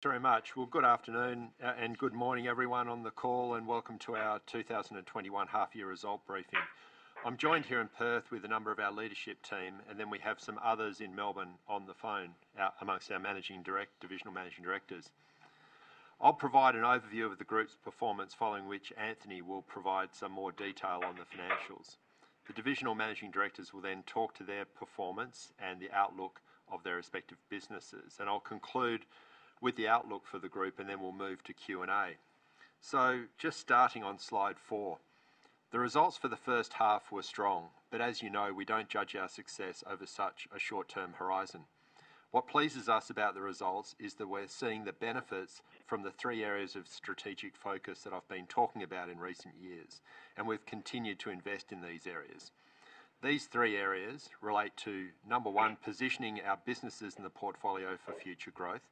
Thanks very much. Good afternoon and good morning everyone on the call, welcome to our 2021 half year result briefing. I'm joined here in Perth with a number of our leadership team, we have some others in Melbourne on the phone amongst our divisional managing directors. I'll provide an overview of the group's performance, following which Anthony will provide some more detail on the financials. The divisional managing directors will talk to their performance and the outlook of their respective businesses, I'll conclude with the outlook for the group, we'll move to Q&A. Just starting on slide four. The results for the first half were strong, as you know, we don't judge our success over such a short-term horizon. What pleases us about the results is that we're seeing the benefits from the three areas of strategic focus that I've been talking about in recent years, and we've continued to invest in these areas. These three areas relate to, number one, positioning our businesses and the portfolio for future growth,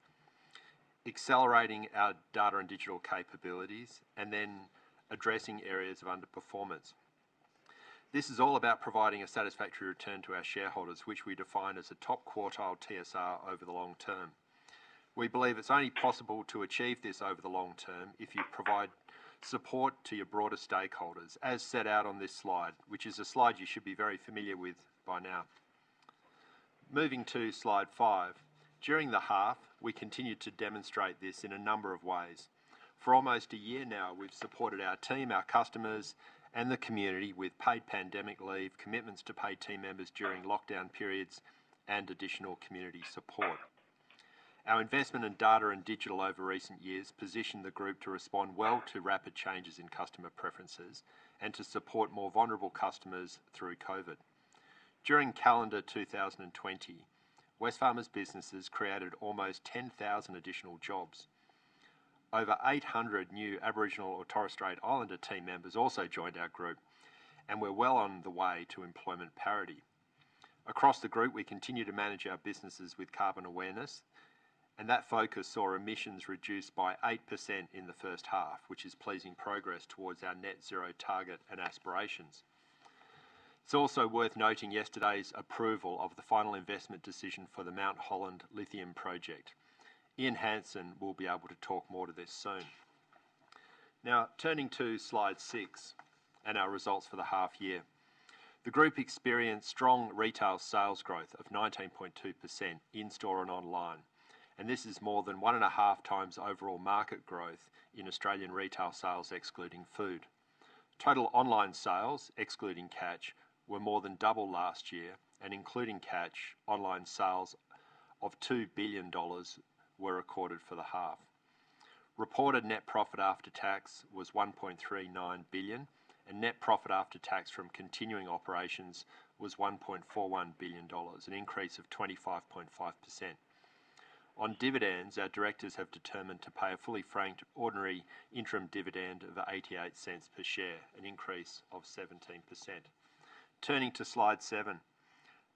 accelerating our data and digital capabilities, and then addressing areas of underperformance. This is all about providing a satisfactory return to our shareholders, which we define as a top quartile TSR over the long term. We believe it's only possible to achieve this over the long term if you provide support to your broader stakeholders, as set out on this slide, which is a slide you should be very familiar with by now. Moving to slide five. During the half, we continued to demonstrate this in a number of ways. For almost a year now, we've supported our team, our customers, and the community with paid pandemic leave, commitments to pay team members during lockdown periods, and additional community support. Our investment in data and digital over recent years positioned the group to respond well to rapid changes in customer preferences and to support more vulnerable customers through COVID. During calendar 2020, Wesfarmers businesses created almost 10,000 additional jobs. Over 800 new Aboriginal or Torres Strait Islander team members also joined our group, and we're well on the way to employment parity. Across the group, we continue to manage our businesses with carbon awareness, and that focus saw emissions reduced by 8% in the first half, which is pleasing progress towards our net zero target and aspirations. It's also worth noting yesterday's approval of the final investment decision for the Mount Holland lithium project. Ian Hansen will be able to talk more to this soon. Turning to slide six and our results for the half year. The group experienced strong retail sales growth of 19.2% in-store and online, and this is more than one and a half times overall market growth in Australian retail sales, excluding food. Total online sales, excluding Catch, were more than double last year, and including Catch, online sales of 2 billion dollars were recorded for the half. Reported net profit after tax was 1.39 billion, and net profit after tax from continuing operations was 1.41 billion dollars, an increase of 25.5%. On dividends, our Directors have determined to pay a fully franked ordinary interim dividend of 0.88 per share, an increase of 17%. Turning to slide seven.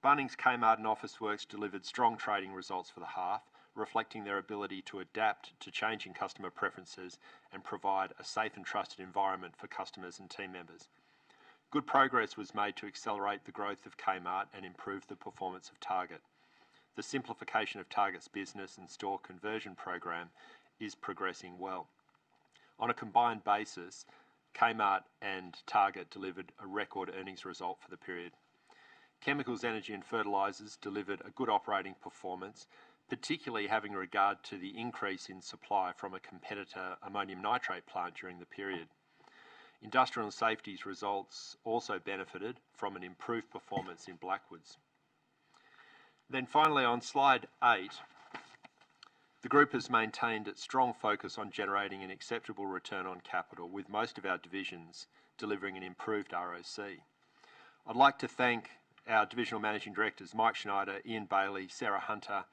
Bunnings, Kmart, and Officeworks delivered strong trading results for the half, reflecting their ability to adapt to changing customer preferences and provide a safe and trusted environment for customers and team members. Good progress was made to accelerate the growth of Kmart and improve the performance of Target. The simplification of Target's business and store conversion program is progressing well. On a combined basis, Kmart and Target delivered a record earnings result for the period. Chemicals, Energy and Fertilisers delivered a good operating performance, particularly having regard to the increase in supply from a competitor ammonium nitrate plant during the period. Industrial and Safety's results also benefited from an improved performance in Blackwoods. Finally on slide eight, the group has maintained its strong focus on generating an acceptable return on capital, with most of our divisions delivering an improved ROC. I'd like to thank our divisional managing directors, Mike Schneider, Ian Bailey, Sarah Hunter,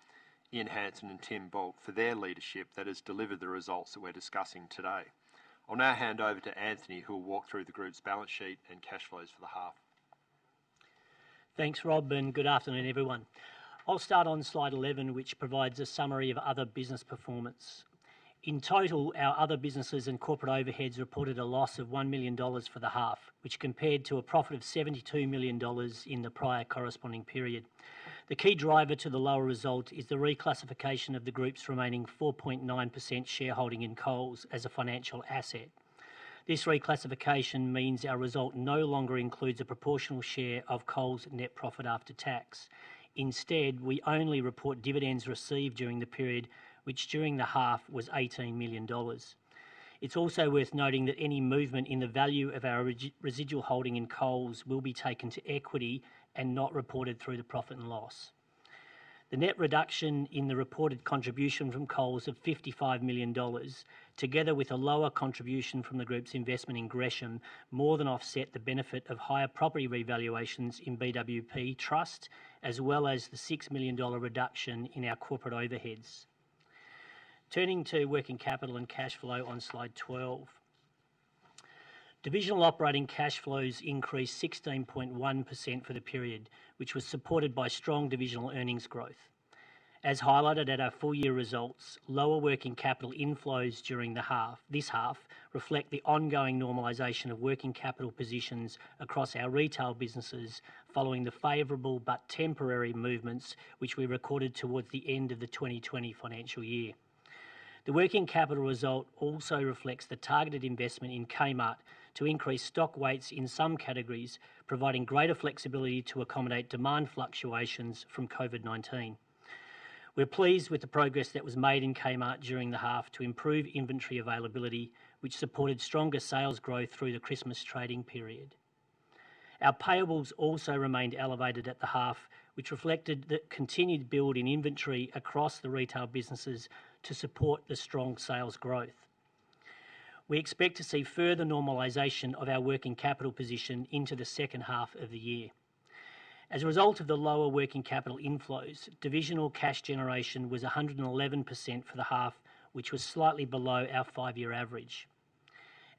Ian Hansen, and Tim Bult for their leadership that has delivered the results that we're discussing today. I'll now hand over to Anthony, who will walk through the group's balance sheet and cash flows for the half. Thanks, Rob. Good afternoon, everyone. I'll start on slide 11, which provides a summary of other business performance. In total, our other businesses and corporate overheads reported a loss of 1 million dollars for the half, which compared to a profit of 72 million dollars in the prior corresponding period. The key driver to the lower result is the reclassification of the group's remaining 4.9% shareholding in Coles as a financial asset. This reclassification means our result no longer includes a proportional share of Coles' net profit after tax. Instead, we only report dividends received during the period, which during the half was 18 million dollars. It's also worth noting that any movement in the value of our residual holding in Coles will be taken to equity and not reported through the profit and loss. The net reduction in the reported contribution from Coles of 55 million dollars, together with a lower contribution from the group's investment in Gresham, more than offset the benefit of higher property revaluations in BWP Trust, as well as the 6 million dollar reduction in our corporate overheads. Turning to working capital and cash flow on slide 12. Divisional operating cash flows increased 16.1% for the period, which was supported by strong divisional earnings growth. As highlighted at our full year results, lower working capital inflows during this half reflect the ongoing normalization of working capital positions across our retail businesses following the favorable but temporary movements which we recorded towards the end of the 2020 financial year. The working capital result also reflects the targeted investment in Kmart to increase stock weights in some categories, providing greater flexibility to accommodate demand fluctuations from COVID-19. We're pleased with the progress that was made in Kmart during the half to improve inventory availability, which supported stronger sales growth through the Christmas trading period. Our payables also remained elevated at the half, which reflected the continued build in inventory across the retail businesses to support the strong sales growth. We expect to see further normalization of our working capital position into the second half of the year. As a result of the lower working capital inflows, divisional cash generation was 111% for the half, which was slightly below our five-year average.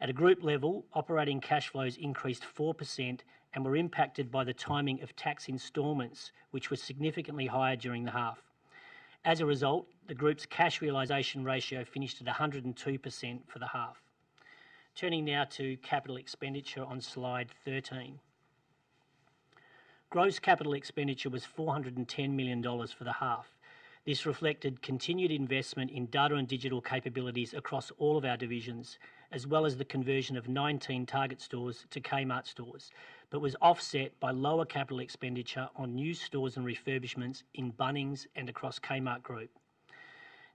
At a group level, operating cash flows increased 4% and were impacted by the timing of tax installments, which were significantly higher during the half. As a result, the group's cash realization ratio finished at 102% for the half. Turning now to capital expenditure on slide 13. Gross capital expenditure was 410 million dollars for the half. This reflected continued investment in data and digital capabilities across all of our divisions, as well as the conversion of 19 Target stores to Kmart stores, but was offset by lower capital expenditure on new stores and refurbishments in Bunnings and across Kmart Group.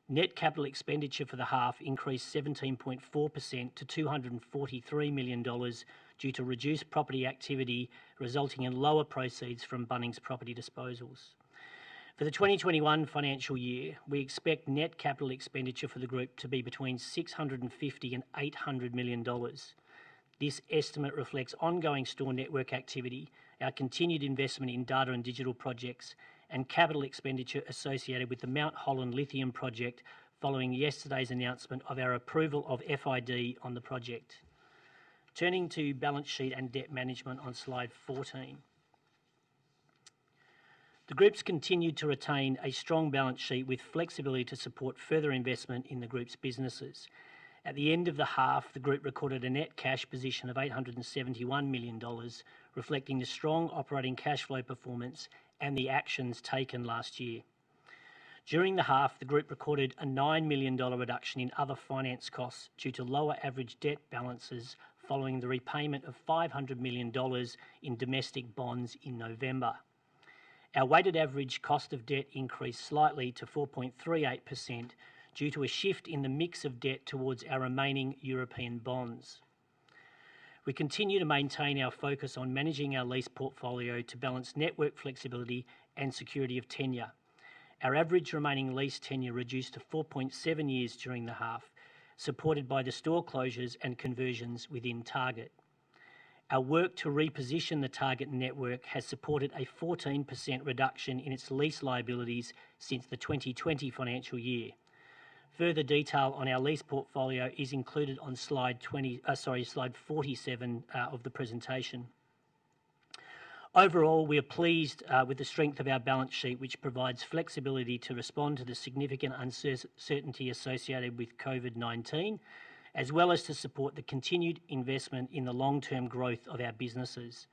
Net capital expenditure for the half increased 17.4% to 243 million dollars due to reduced property activity, resulting in lower proceeds from Bunnings property disposals. For the 2021 financial year, we expect net capital expenditure for the group to be between 650 million and 800 million dollars. This estimate reflects ongoing store network activity, our continued investment in data and digital projects, and capital expenditure associated with the Mount Holland lithium project following yesterday's announcement of our approval of FID on the project. Turning to balance sheet and debt management on Slide 14. The groups continued to retain a strong balance sheet with flexibility to support further investment in the group's businesses. At the end of the half, the group recorded a net cash position of 871 million dollars, reflecting the strong operating cash flow performance and the actions taken last year. During the half, the group recorded a 9 million dollar reduction in other finance costs due to lower average debt balances following the repayment of 500 million dollars in domestic bonds in November. Our weighted average cost of debt increased slightly to 4.38% due to a shift in the mix of debt towards our remaining European bonds. We continue to maintain our focus on managing our lease portfolio to balance network flexibility and security of tenure. Our average remaining lease tenure reduced to four point seven years during the half, supported by the store closures and conversions within Target. Our work to reposition the Target network has supported a 14% reduction in its lease liabilities since the 2020 financial year. Further detail on our lease portfolio is included on slide 47 of the presentation. Overall, we are pleased with the strength of our balance sheet, which provides flexibility to respond to the significant uncertainty associated with COVID-19, as well as to support the continued investment in the long-term growth of our businesses.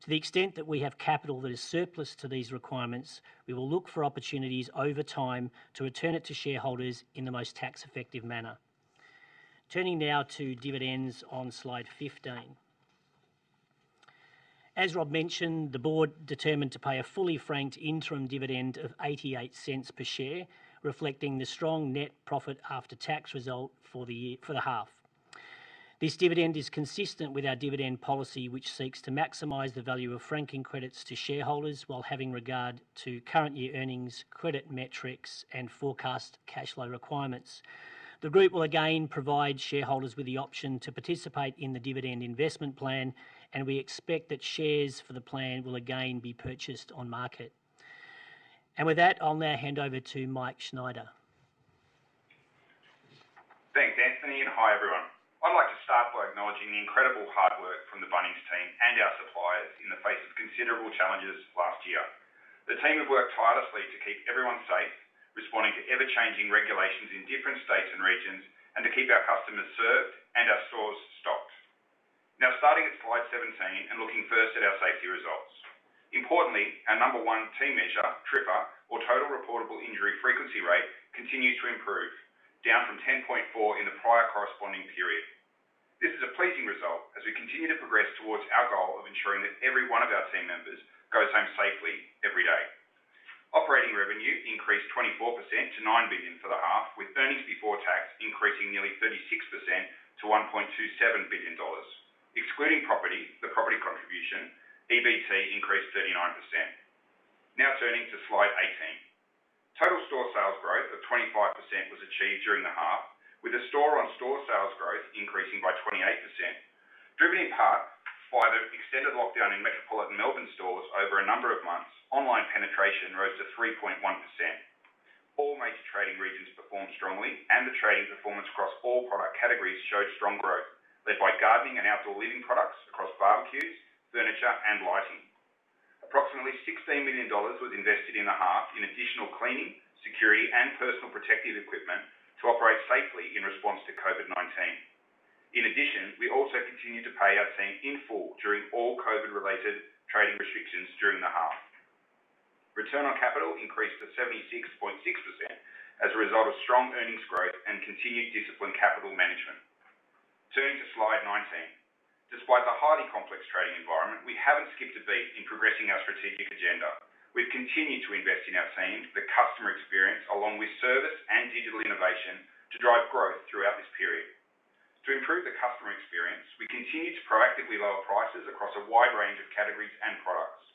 To the extent that we have capital that is surplus to these requirements, we will look for opportunities over time to return it to shareholders in the most tax-effective manner. Turning now to dividends on slide 15. As Rob mentioned, the board determined to pay a fully franked interim dividend of 0.88 per share, reflecting the strong net profit after tax result for the half. This dividend is consistent with our dividend policy, which seeks to maximize the value of franking credits to shareholders while having regard to current year earnings, credit metrics, and forecast cash flow requirements. The group will again provide shareholders with the option to participate in the dividend investment plan, and we expect that shares for the plan will again be purchased on market. With that, I'll now hand over to Mike Schneider. Thanks, Anthony. Hi, everyone. I'd like to start by acknowledging the incredible hard work from the Bunnings team and our suppliers in the face of considerable challenges last year. The team have worked tirelessly to keep everyone safe, responding to ever-changing regulations in different states and regions, and to keep our customers served and our stores stocked. Starting at slide 17 and looking first at our safety results. Our number one team measure, TRIFR, or total reportable injury frequency rate, continues to improve, down from 10.4 in the prior corresponding period. This is a pleasing result as we continue to progress towards our goal of ensuring that every one of our team members goes home safely every day. Operating revenue increased 24% to 9 billion for the half, with earnings before tax increasing nearly 36% to 1.27 billion dollars. Excluding the property contribution, EBT increased 39%. Turning to slide 18. Total store sales growth of 25% was achieved during the half, with a store on store sales growth increasing by 28%, driven in part by the extended lockdown in metropolitan Melbourne stores over a number of months. Online penetration rose to 3.1%. All major trading regions performed strongly, the trading performance across all product categories showed strong growth, led by gardening and outdoor living products across barbecues, furniture, and lighting. Approximately 16 million dollars was invested in the half in additional cleaning, security, and personal protective equipment to operate safely in response to COVID-19. We also continued to pay our team in full during all COVID-related trading restrictions during the half. Return on capital increased to 76.6% as a result of strong earnings growth and continued disciplined capital management. Turning to slide 19. Despite the highly complex trading environment, we haven't skipped a beat in progressing our strategic agenda. We've continued to invest in our teams, the customer experience, along with service and digital innovation to drive growth throughout this period. To improve the customer experience, we continued to proactively lower prices across a wide range of categories and products.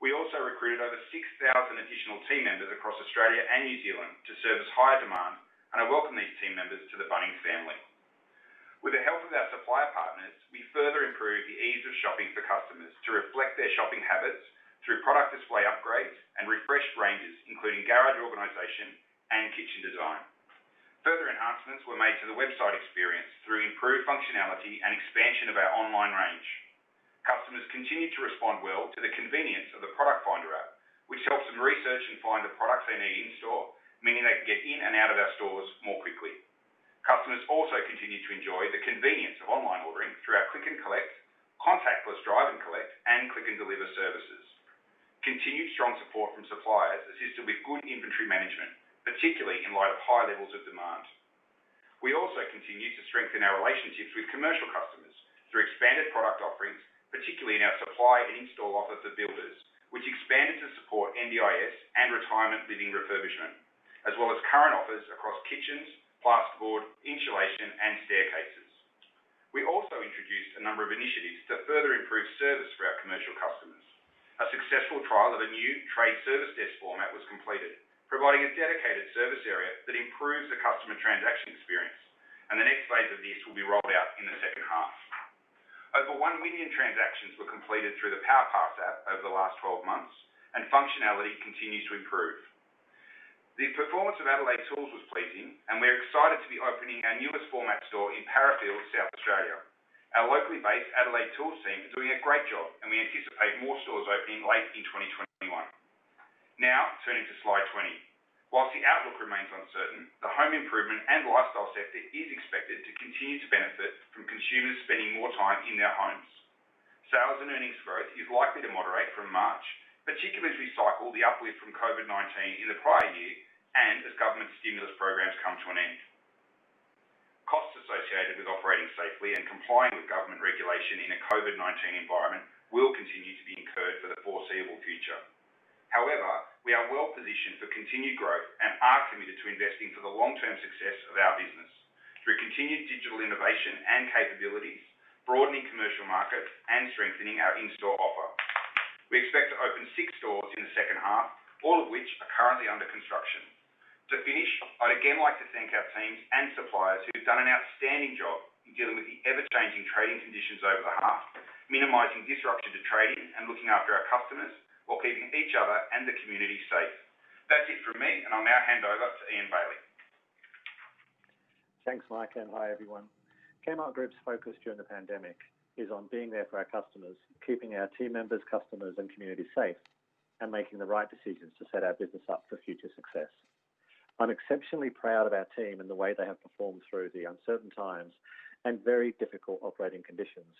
We also recruited over 6,000 additional team members across Australia and New Zealand to service higher demand, and I welcome these team members to the Bunnings family. With the help of our supplier partners, we further improved the ease of shopping for customers to reflect their shopping habits through product display upgrades and refreshed ranges, including garage organization and kitchen design. Further enhancements were made to the website experience through improved functionality and expansion of our online range. Customers continued to respond well to the convenience of the Product Finder app, which helps them research and find the products they need in-store, meaning they can get in and out of our stores more quickly. Customers also continued to enjoy the convenience of online ordering through our Click and Collect, contactless Drive and Collect, and Click and Deliver services. Continued strong support from suppliers assisted with good inventory management, particularly in light of high levels of demand. We also continued to strengthen our relationships with commercial customers through expanded product offerings, particularly in our supply and install offer for builders, which expanded to support NDIS and retirement living refurbishment, as well as current offers across kitchens, plasterboard, insulation, and staircases. We also introduced a number of initiatives to further improve service for our commercial customers. A successful trial of a new trade service desk format was completed, providing a dedicated service area that improves the customer transaction experience, and the second phase of this will be rolled out in the second half. Over 1 million transactions were completed through the PowerPass app over the last 12 months, and functionality continues to improve. The performance of Adelaide Tools was pleasing, and we are excited to be opening our newest format store in Parafield, South Australia. Our locally based Adelaide Tools team are doing a great job, and we anticipate more stores opening late in 2021. Turning to slide 20. Whilst the outlook remains uncertain, the home improvement and lifestyle sector is expected to continue to benefit from consumers spending more time in their homes. Sales and earnings growth is likely to moderate from March, particularly as we cycle the uplift from COVID-19 in the prior year and as government stimulus programs come to an end. Costs associated with operating safely and complying with government regulation in a COVID-19 environment will continue to be incurred for the foreseeable future. However, we are well-positioned for continued growth and are committed to investing for the long-term success of our business through continued digital innovation and capabilities, broadening commercial markets, and strengthening our in-store offer. We expect to open six stores in the second half, all of which are currently under construction. To finish, I'd again like to thank our teams and suppliers who've done an outstanding job in dealing with the ever-changing trading conditions over the half, minimizing disruption to trading and looking after our customers while keeping each other and the community safe. That's it from me, and I'll now hand over to Ian Bailey. Thanks, Mike, and hi, everyone. Kmart Group's focus during the pandemic is on being there for our customers, keeping our team members, customers, and community safe, and making the right decisions to set our business up for future success. I'm exceptionally proud of our team and the way they have performed through the uncertain times and very difficult operating conditions,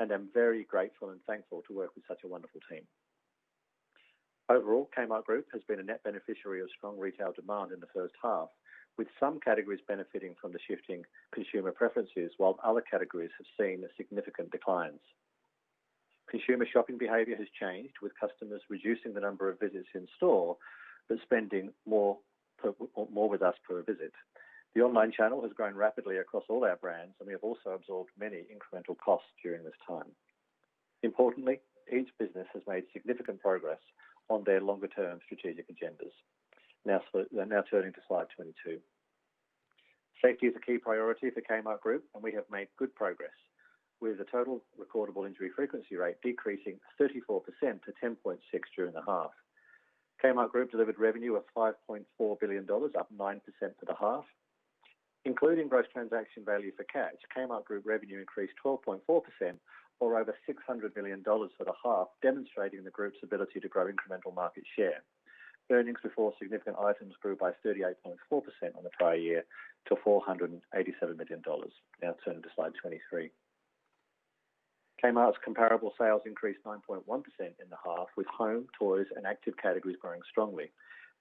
and I'm very grateful and thankful to work with such a wonderful team. Overall, Kmart Group has been a net beneficiary of strong retail demand in the first half, with some categories benefiting from the shifting consumer preferences, while other categories have seen significant declines. Consumer shopping behavior has changed, with customers reducing the number of visits in-store but spending more with us per visit. The online channel has grown rapidly across all our brands, and we have also absorbed many incremental costs during this time. Importantly, each business has made significant progress on their longer-term strategic agendas. Now turning to slide 22. Safety is a key priority for Kmart Group, and we have made good progress, with the total recordable injury frequency rate decreasing 34%-10.6% during the half. Kmart Group delivered revenue of 5.4 billion dollars, up 9% for the half. Including gross transaction value for Catch, Kmart Group revenue increased 12.4%, or over 600 million dollars for the half, demonstrating the Group's ability to grow incremental market share. Earnings before significant items grew by 38.4% on the prior year to 487 million dollars. Now turning to slide 23. Kmart's comparable sales increased 9.1% in the half, with home, toys, and active categories growing strongly.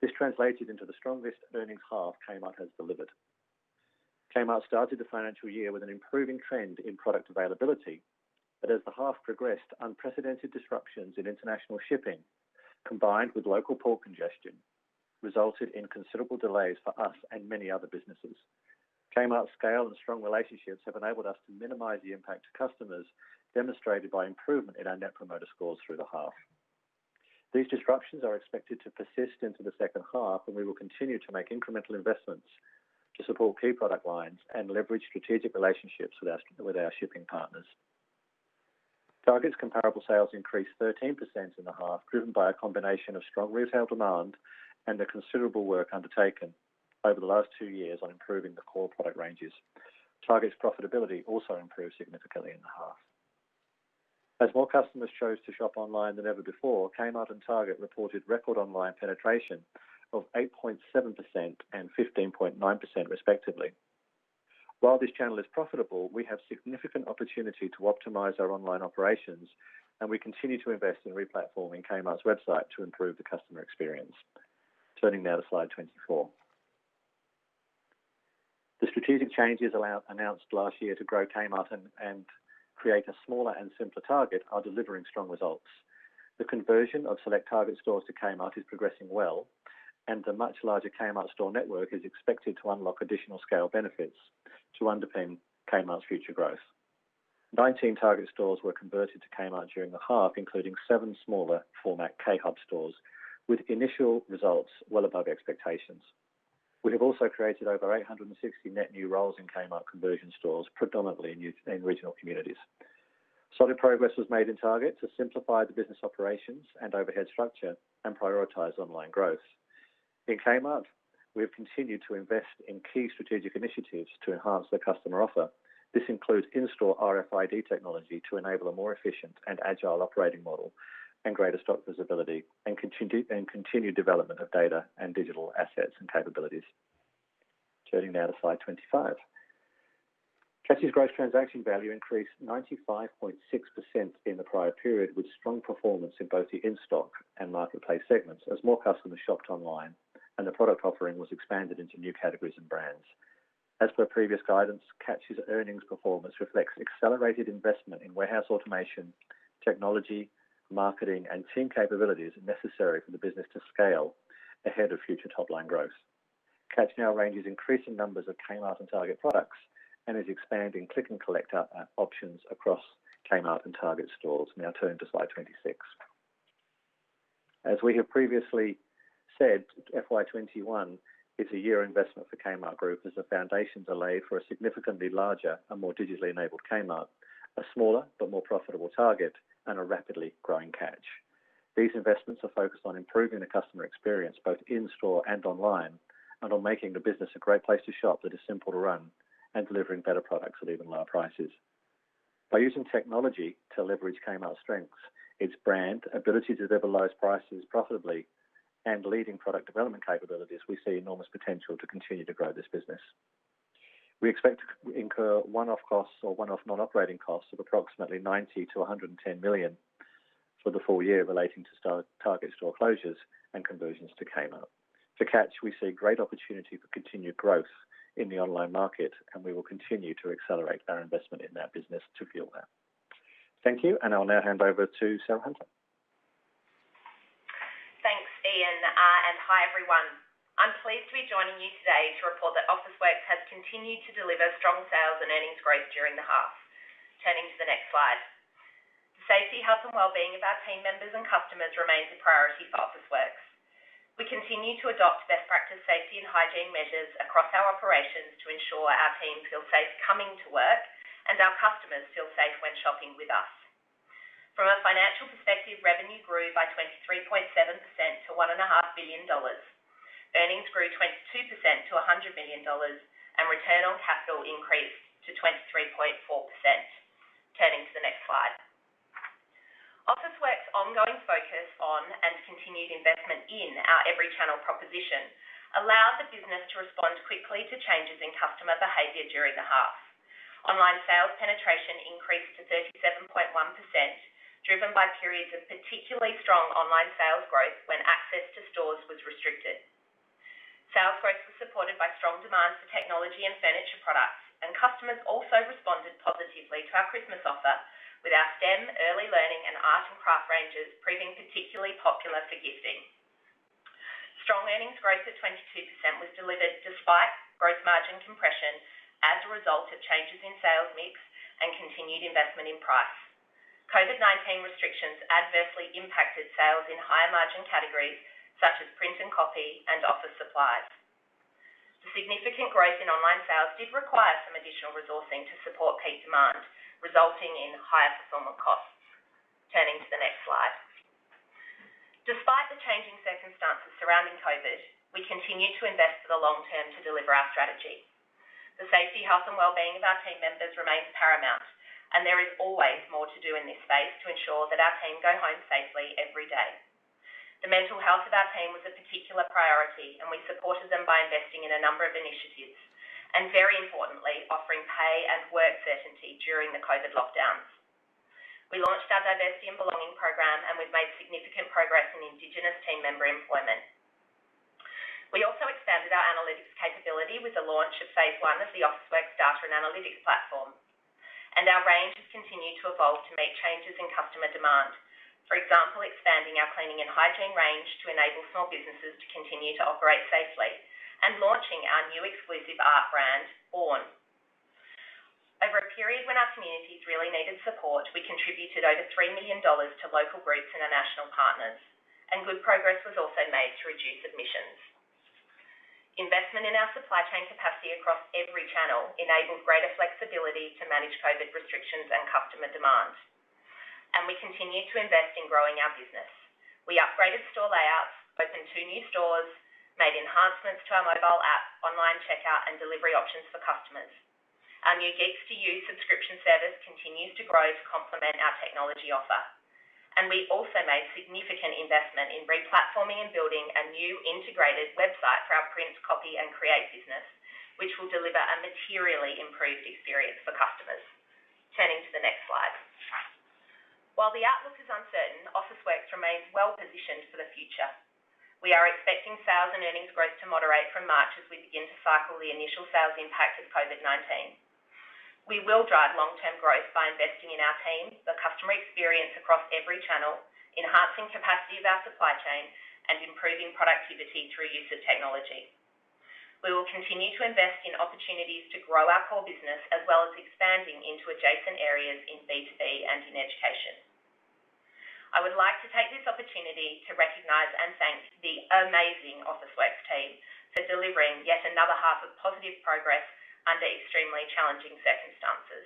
This translated into the strongest earnings half Kmart has delivered. Kmart started the financial year with an improving trend in product availability. As the half progressed, unprecedented disruptions in international shipping, combined with local port congestion, resulted in considerable delays for us and many other businesses. Kmart's scale and strong relationships have enabled us to minimize the impact to customers, demonstrated by improvement in our net promoter scores through the half. These disruptions are expected to persist into the second half, and we will continue to make incremental investments to support key product lines and leverage strategic relationships with our shipping partners. Target's comparable sales increased 13% in the half, driven by a combination of strong retail demand and the considerable work undertaken over the last two years on improving the core product ranges. Target's profitability also improved significantly in the half. As more customers chose to shop online than ever before, Kmart and Target reported record online penetration of 8.7% and 15.9% respectively. While this channel is profitable, we have significant opportunity to optimize our online operations, and we continue to invest in re-platforming Kmart's website to improve the customer experience. Turning now to slide 24. The strategic changes announced last year to grow Kmart and create a smaller and simpler Target are delivering strong results. The conversion of select Target stores to Kmart is progressing well, and the much larger Kmart store network is expected to unlock additional scale benefits to underpin Kmart's future growth. 19 Target stores were converted to Kmart during the half, including seven smaller format K Hub stores, with initial results well above expectations. We have also created over 860 net new roles in Kmart conversion stores, predominantly in regional communities. Solid progress was made in Target to simplify the business operations and overhead structure and prioritize online growth. In Kmart, we have continued to invest in key strategic initiatives to enhance the customer offer. This includes in-store RFID technology to enable a more efficient and agile operating model and greater stock visibility, and continued development of data and digital assets and capabilities. Turning now to slide 25. Catch's gross transaction value increased 95.6% in the prior period, with strong performance in both the in-stock and marketplace segments, as more customers shopped online and the product offering was expanded into new categories and brands. As per previous guidance, Catch's earnings performance reflects accelerated investment in warehouse automation, technology, marketing, and team capabilities necessary for the business to scale ahead of future top-line growth. Catch now ranges increasing numbers of Kmart and Target products and is expanding Click and Collect options across Kmart and Target stores. Turning to slide 26. As we have previously said, FY 2021 is a year of investment for Kmart Group as the foundations are laid for a significantly larger and more digitally enabled Kmart, a smaller but more profitable Target, and a rapidly growing Catch. These investments are focused on improving the customer experience both in-store and online, and on making the business a great place to shop that is simple to run and delivering better products at even lower prices. By using technology to leverage Kmart's strengths, its brand, ability to deliver lowest prices profitably, and leading product development capabilities, we see enormous potential to continue to grow this business. We expect to incur one-off costs or one-off non-operating costs of approximately 90 million-110 million for the full year relating to Target store closures and conversions to Kmart. For Catch, we see great opportunity for continued growth in the online market, and we will continue to accelerate our investment in that business to fuel that. Thank you, and I'll now hand over to Sarah Hunter. Thanks, Ian. Hi, everyone. I'm pleased to be joining you today to report that Officeworks has continued to deliver strong sales and earnings growth during the half. Turning to the next slide. The safety, health, and wellbeing of our team members and customers remains a priority for Officeworks. We continue to adopt best practice safety and hygiene measures across our operations to ensure our team feel safe coming to work and our customers feel safe when shopping with us. From a financial perspective, revenue grew by 23.7% to 1.5 billion dollars. Earnings grew 22% to 100 million dollars, and return on capital increased to 23.4%. Turning to the next slide. Officeworks' ongoing focus on and continued investment in our every channel proposition allowed the business to respond quickly to changes in customer behavior during the half. Online sales penetration increased to 37.1%, driven by periods of particularly strong online sales growth when access to stores was restricted. Sales growth was supported by strong demand for technology and furniture products, and customers also responded positively to our Christmas offer with our STEM, early learning, and art and craft ranges proving particularly popular for gifting. Strong earnings growth of 22% was delivered despite gross margin compression as a result of changes in sales mix and continued investment in price. COVID-19 restrictions adversely impacted sales in higher margin categories, such as Print and Copy and office supplies. The significant growth in online sales did require some additional resourcing to support peak demand, resulting in higher fulfillment costs. Turning to the next slide. Despite the changing circumstances surrounding COVID-19, we continue to invest for the long term to deliver our strategy. The safety, health, and wellbeing of our team members remains paramount, and there is always more to do in this space to ensure that our team go home safely every day. The mental health of our team was a particular priority, and we supported them by investing in a number of initiatives, and very importantly, offering pay and work certainty during the COVID lockdowns. We launched our Diversity and Belonging program, we've made significant progress in Indigenous team member employment. We also expanded our analytics capability with the launch of phase I of the Officeworks Data and Analytics platform, our range has continued to evolve to meet changes in customer demand. For example, expanding our cleaning and hygiene range to enable small businesses to continue to operate safely and launching our new exclusive art brand, [Born]. Over a period when our communities really needed support, we contributed over 3 million dollars to local groups and our national partners. Good progress was also made to reduce emissions. Investment in our supply chain capacity across every channel enabled greater flexibility to manage COVID restrictions and customer demand. We continued to invest in growing our business. We upgraded store layouts, opened two new stores, made enhancements to our mobile app, online checkout, and delivery options for customers. Our new Geeks2U subscription service continues to grow to complement our technology offer. We also made significant investment in re-platforming and building a new integrated website for our Print, Copy & Create business, which will deliver a materially improved experience for customers. Turning to the next slide. While the outlook is uncertain, Officeworks remains well-positioned for the future. We are expecting sales and earnings growth to moderate from March as we begin to cycle the initial sales impact of COVID-19. We will drive long-term growth by investing in our team, the customer experience across every channel, enhancing capacity of our supply chain, and improving productivity through use of technology. We will continue to invest in opportunities to grow our core business, as well as expanding into adjacent areas in B2B and in education. I would like to take this opportunity to recognize and thank the amazing Officeworks team for delivering yet another half of positive progress under extremely challenging circumstances.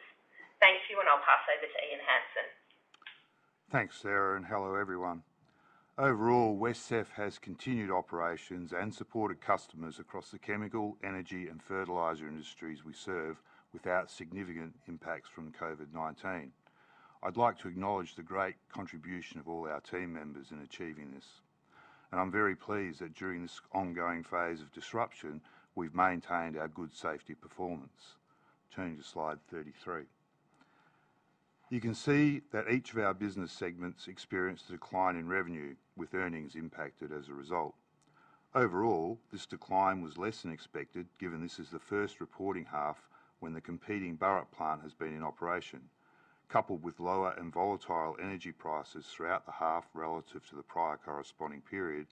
Thank you, and I'll pass over to Ian Hansen. Thanks, Sarah, hello, everyone. Overall, WesCEF has continued operations and supported customers across the chemical, energy, and fertilizer industries we serve without significant impacts from COVID-19. I'd like to acknowledge the great contribution of all our team members in achieving this, and I'm very pleased that during this ongoing phase of disruption, we've maintained our good safety performance. Turning to Slide 33. You can see that each of our business segments experienced a decline in revenue, with earnings impacted as a result. Overall, this decline was less than expected, given this is the first reporting half when the competing Burrup plant has been in operation, coupled with lower and volatile energy prices throughout the half relative to the prior corresponding period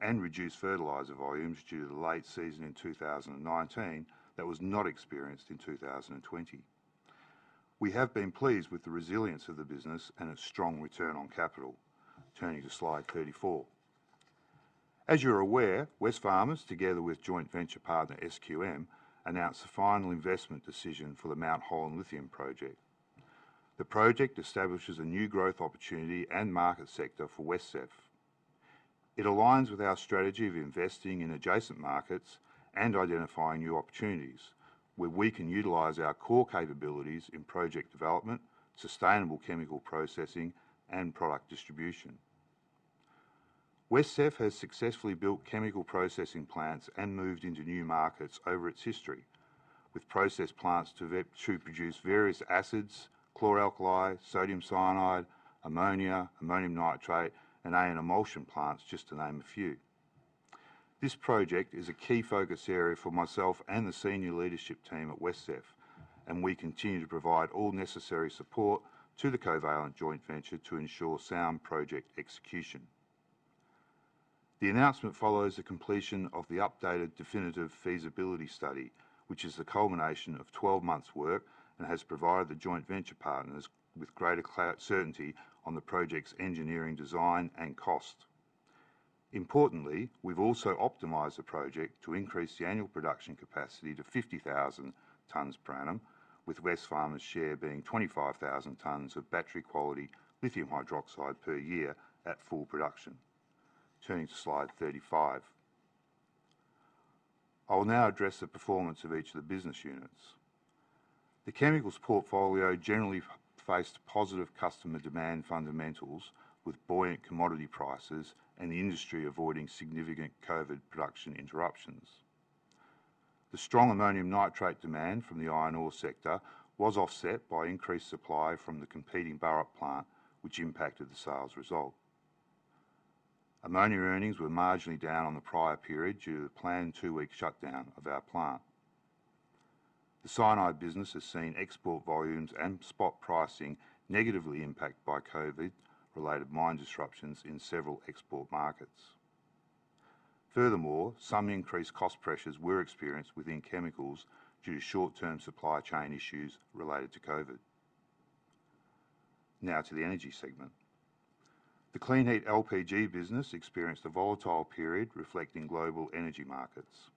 and reduced fertilizer volumes due to the late season in 2019 that was not experienced in 2020. We have been pleased with the resilience of the business and its strong return on capital. Turning to Slide 34. As you're aware, Wesfarmers, together with joint venture partner SQM, announced the final investment decision for the Mount Holland lithium project. The project establishes a new growth opportunity and market sector for WesCEF. It aligns with our strategy of investing in adjacent markets and identifying new opportunities where we can utilize our core capabilities in project development, sustainable chemical processing, and product distribution. WesCEF has successfully built chemical processing plants and moved into new markets over its history with process plants to produce various acids, chlor-alkali, sodium cyanide, ammonia, ammonium nitrate, and AN emulsion plants, just to name a few. This project is a key focus area for myself and the senior leadership team at WesCEF, and we continue to provide all necessary support to the Covalent joint venture to ensure sound project execution. The announcement follows the completion of the updated definitive feasibility study, which is the culmination of 12 months work and has provided the joint venture partners with greater certainty on the project's engineering design and cost. Importantly, we've also optimized the project to increase the annual production capacity to 50,000 tons per annum, with Wesfarmers' share being 25,000 tons of battery-quality lithium hydroxide per year at full production. Turning to Slide 35. I will now address the performance of each of the business units. The chemicals portfolio generally faced positive customer demand fundamentals with buoyant commodity prices and the industry avoiding significant COVID production interruptions. The strong ammonium nitrate demand from the iron ore sector was offset by increased supply from the competing Burrup plant, which impacted the sales result. Ammonia earnings were marginally down on the prior period due to the planned two-week shutdown of our plant. The cyanide business has seen export volumes and spot pricing negatively impact by COVID-related mine disruptions in several export markets. Furthermore, some increased cost pressures were experienced within chemicals due to short-term supply chain issues related to COVID. Now to the energy segment. The Kleenheat LPG business experienced a volatile period reflecting global energy markets.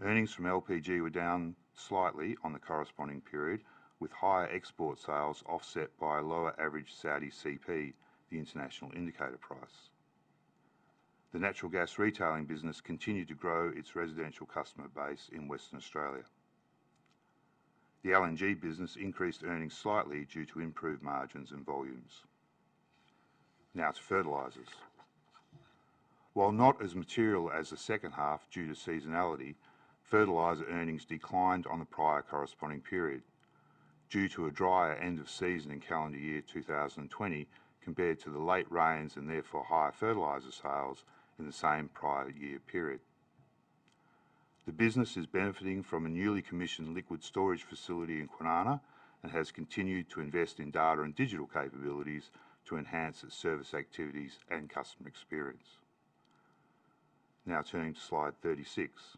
Earnings from LPG were down slightly on the corresponding period, with higher export sales offset by a lower average Saudi CP, the international indicator price. The natural gas retailing business continued to grow its residential customer base in Western Australia. The LNG business increased earnings slightly due to improved margins and volumes. To fertilizers. While not as material as the second half due to seasonality, fertilizer earnings declined on the prior corresponding period due to a drier end of season in calendar year 2020 compared to the late rains and therefore higher fertilizer sales in the same prior year period. The business is benefiting from a newly commissioned liquid storage facility in Kwinana and has continued to invest in data and digital capabilities to enhance its service activities and customer experience. Turning to Slide 36.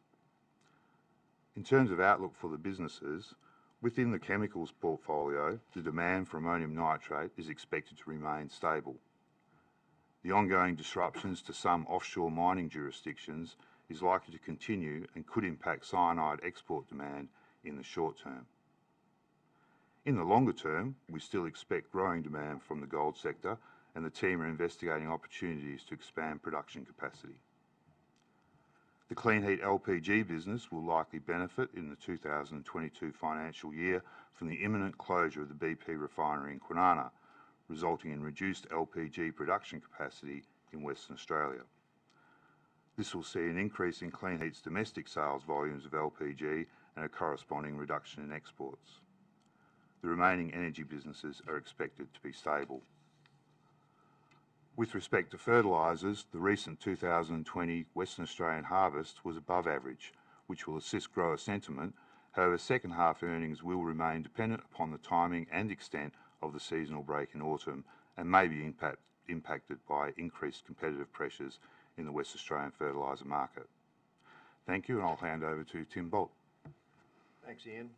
In terms of outlook for the businesses, within the chemicals portfolio, the demand for ammonium nitrate is expected to remain stable. The ongoing disruptions to some offshore mining jurisdictions is likely to continue and could impact cyanide export demand in the short term. In the longer term, we still expect growing demand from the gold sector, and the team are investigating opportunities to expand production capacity. The Kleenheat LPG business will likely benefit in FY 2022 from the imminent closure of the BP refinery in Kwinana, resulting in reduced LPG production capacity in Western Australia. This will see an increase in Kleenheat's domestic sales volumes of LPG and a corresponding reduction in exports. The remaining energy businesses are expected to be stable. With respect to fertilizers, the recent 2020 Western Australian harvest was above average, which will assist grower sentiment. However, second half earnings will remain dependent upon the timing and extent of the seasonal break in autumn and may be impacted by increased competitive pressures in the Western Australian fertilizer market. Thank you, and I'll hand over to Tim Bult. Thanks, Ian.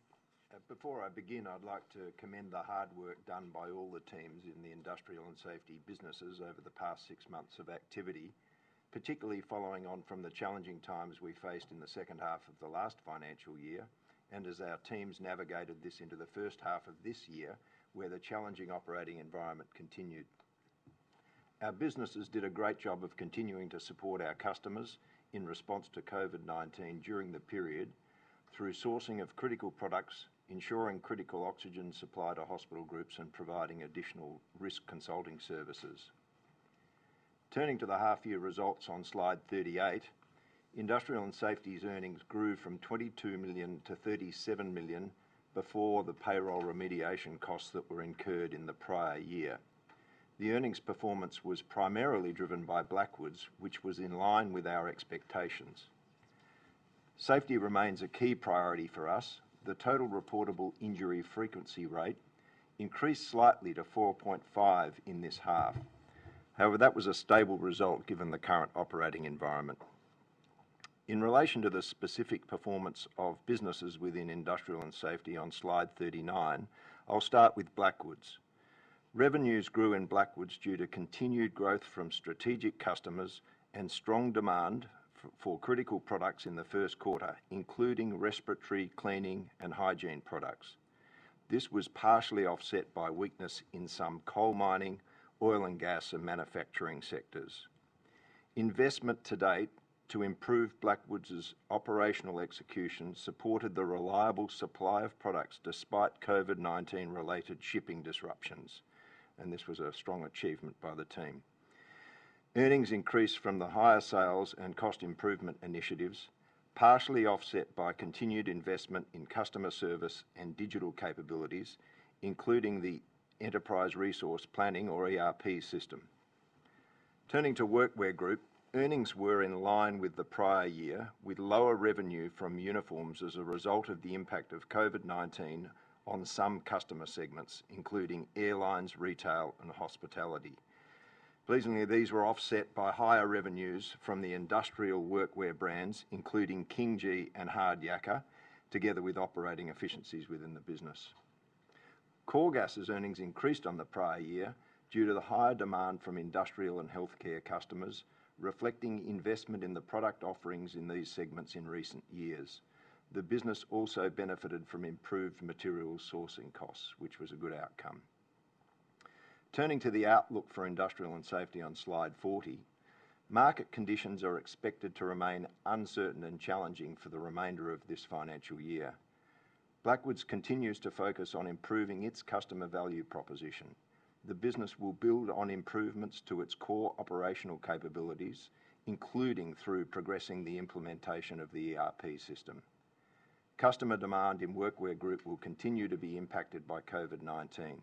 Before I begin, I'd like to commend the hard work done by all the teams in the industrial and safety businesses over the past six months of activity, particularly following on from the challenging times we faced in the second half of the last financial year. As our teams navigated this into the first half of this year, the challenging operating environment continued. Our businesses did a great job of continuing to support our customers in response to COVID-19 during the period through sourcing of critical products, ensuring critical oxygen supply to hospital groups, and providing additional risk consulting services. Turning to the half year results on slide 38, Industrial and Safety's earnings grew from 22 million-37 million before the payroll remediation costs that were incurred in the prior year. The earnings performance was primarily driven by Blackwoods, which was in line with our expectations. Safety remains a key priority for us. The total reportable injury frequency rate increased slightly to 4.5 in this half. That was a stable result given the current operating environment. In relation to the specific performance of businesses within Industrial and Safety on Slide 39, I'll start with Blackwoods. Revenues grew in Blackwoods due to continued growth from strategic customers and strong demand for critical products in the first quarter, including respiratory, cleaning, and hygiene products. This was partially offset by weakness in some coal mining, oil and gas, and manufacturing sectors. Investment to date to improve Blackwoods' operational execution supported the reliable supply of products despite COVID-19-related shipping disruptions, and this was a strong achievement by the team. Earnings increased from the higher sales and cost improvement initiatives, partially offset by continued investment in customer service and digital capabilities, including the enterprise resource planning or ERP system. Turning to Workwear Group, earnings were in line with the prior year, with lower revenue from uniforms as a result of the impact of COVID-19 on some customer segments, including airlines, retail, and hospitality. Pleasingly, these were offset by higher revenues from the industrial workwear brands, including KingGee and Hard Yakka, together with operating efficiencies within the business. Coregas' earnings increased on the prior year due to the higher demand from industrial and healthcare customers, reflecting investment in the product offerings in these segments in recent years. The business also benefited from improved material sourcing costs, which was a good outcome. Turning to the outlook for Industrial and Safety on Slide 40, market conditions are expected to remain uncertain and challenging for the remainder of this financial year. Blackwoods continues to focus on improving its customer value proposition. The business will build on improvements to its core operational capabilities, including through progressing the implementation of the ERP system. Customer demand in Workwear Group will continue to be impacted by COVID-19.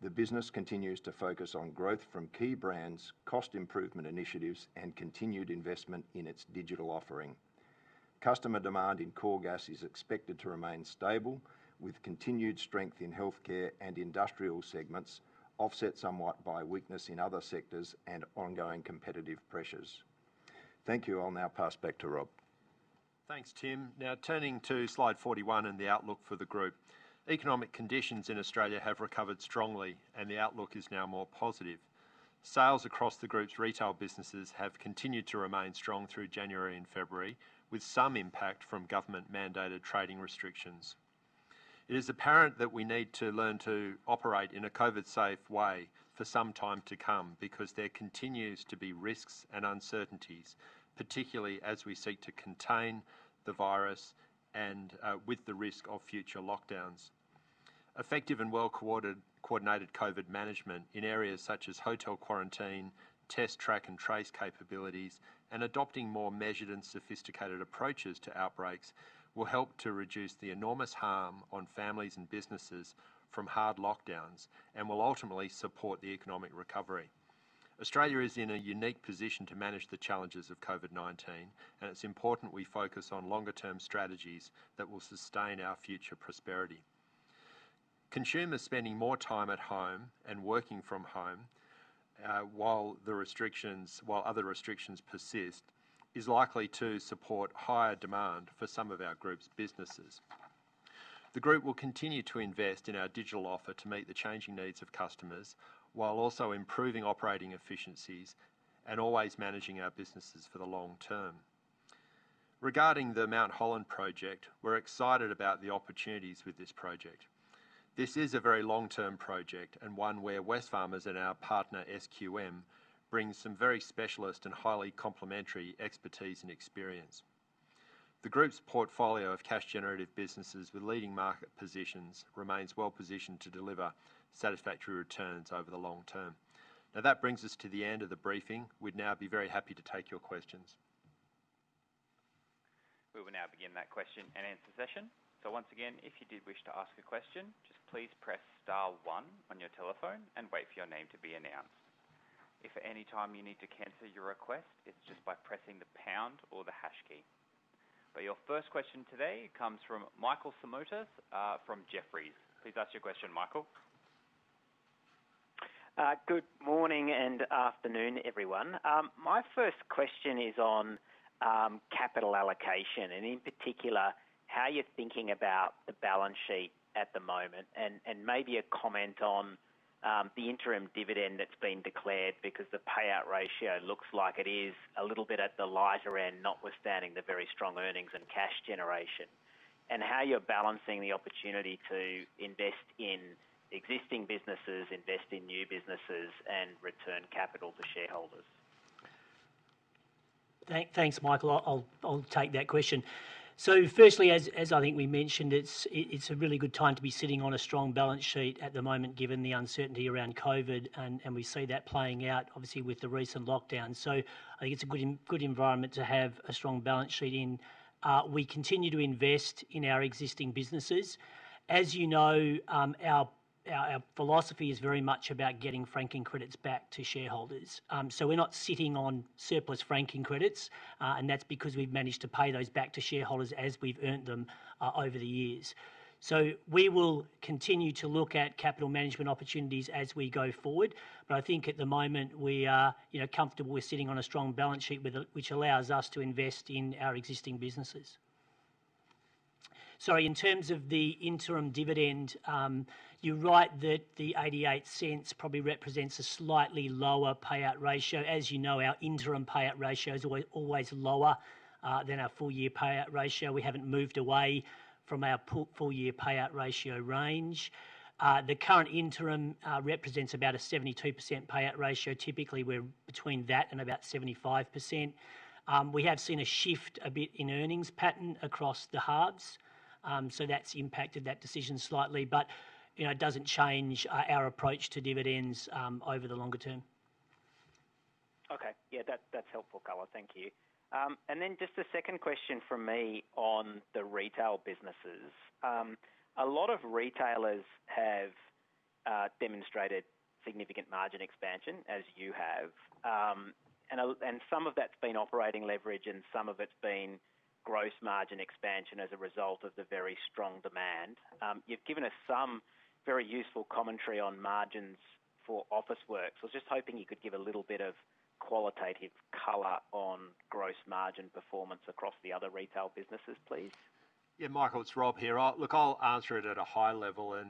The business continues to focus on growth from key brands, cost improvement initiatives, and continued investment in its digital offering. Customer demand in Coregas is expected to remain stable, with continued strength in healthcare and industrial segments offset somewhat by weakness in other sectors and ongoing competitive pressures. Thank you. I'll now pass back to Rob. Thanks, Tim. Turning to Slide 41 and the outlook for the group. Economic conditions in Australia have recovered strongly, and the outlook is now more positive. Sales across the group's retail businesses have continued to remain strong through January and February, with some impact from government-mandated trading restrictions. It is apparent that we need to learn to operate in a COVID-safe way for some time to come because there continues to be risks and uncertainties, particularly as we seek to contain the virus and with the risk of future lockdowns. Effective and well-coordinated COVID management in areas such as hotel quarantine, test, track, and trace capabilities, and adopting more measured and sophisticated approaches to outbreaks will help to reduce the enormous harm on families and businesses from hard lockdowns and will ultimately support the economic recovery. Australia is in a unique position to manage the challenges of COVID-19, and it's important we focus on longer-term strategies that will sustain our future prosperity. Consumers spending more time at home and working from home while other restrictions persist is likely to support higher demand for some of our group's businesses. The group will continue to invest in our digital offer to meet the changing needs of customers while also improving operating efficiencies and always managing our businesses for the long term. Regarding the Mount Holland project, we're excited about the opportunities with this project. This is a very long-term project and one where Wesfarmers and our partner, SQM, bring some very specialist and highly complementary expertise and experience. The group's portfolio of cash-generative businesses with leading market positions remains well-positioned to deliver satisfactory returns over the long term. That brings us to the end of the briefing. We'd now be very happy to take your questions. We will now begin that question-and-answer session. Once again, if you did wish to ask a question, just please press star one on your telephone and wait for your name to be announced. If at any time you need to cancel your request, it's just by pressing the pound or the hash key. Your first question today comes from Michael Simotas from Jefferies. Please ask your question, Michael. Good morning and afternoon, everyone. My first question is on capital allocation and in particular, how you're thinking about the balance sheet at the moment, and maybe a comment on the interim dividend that's been declared because the payout ratio looks like it is a little bit at the lighter end, notwithstanding the very strong earnings and cash generation. How you're balancing the opportunity to invest in existing businesses, invest in new businesses, and return capital to shareholders. Thanks, Michael. I'll take that question. Firstly, as I think we mentioned, it's a really good time to be sitting on a strong balance sheet at the moment given the uncertainty around COVID, and we see that playing out obviously with the recent lockdown. I think it's a good environment to have a strong balance sheet in. We continue to invest in our existing businesses. As you know, our philosophy is very much about getting franking credits back to shareholders. We're not sitting on surplus franking credits, and that's because we've managed to pay those back to shareholders as we've earned them over the years. We will continue to look at capital management opportunities as we go forward. I think at the moment we are comfortable with sitting on a strong balance sheet which allows us to invest in our existing businesses. Sorry, in terms of the interim dividend, you're right that the 0.88 probably represents a slightly lower payout ratio. As you know, our interim payout ratio is always lower than our full-year payout ratio. We haven't moved away from our full-year payout ratio range. The current interim represents about a 72% payout ratio. Typically, we're between that and about 75%. We have seen a shift a bit in earnings pattern across the halves, so that's impacted that decision slightly. It doesn't change our approach to dividends over the longer term. Okay. Yeah, that's helpful color. Thank you. Then just a second question from me on the retail businesses. A lot of retailers have demonstrated significant margin expansion as you have. Some of that's been operating leverage and some of it's been gross margin expansion as a result of the very strong demand. You've given us some very useful commentary on margins for Officeworks. I was just hoping you could give a little bit of qualitative color on gross margin performance across the other retail businesses, please. Yeah, Michael, it's Rob here. Look, I'll answer it at a high level and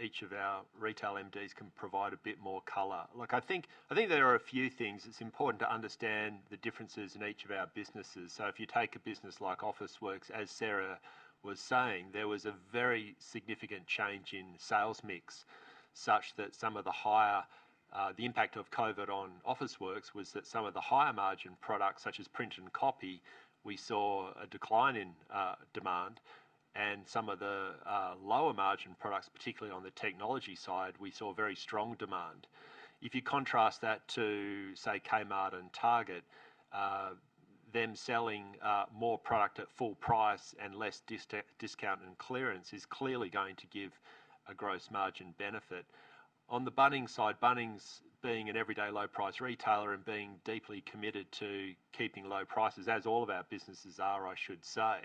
each of our retail MDs can provide a bit more color. Look, I think there are a few things. It's important to understand the differences in each of our businesses. If you take a business like Officeworks, as Sarah was saying, there was a very significant change in sales mix, such that the impact of COVID on Officeworks was that some of the higher margin products such as print and copy, we saw a decline in demand. Some of the lower margin products, particularly on the technology side, we saw very strong demand. If you contrast that to, say, Kmart and Target, them selling more product at full price and less discount and clearance is clearly going to give a gross margin benefit. On the Bunnings side, Bunnings being an everyday low price retailer and being deeply committed to keeping low prices as all of our businesses are, I should say,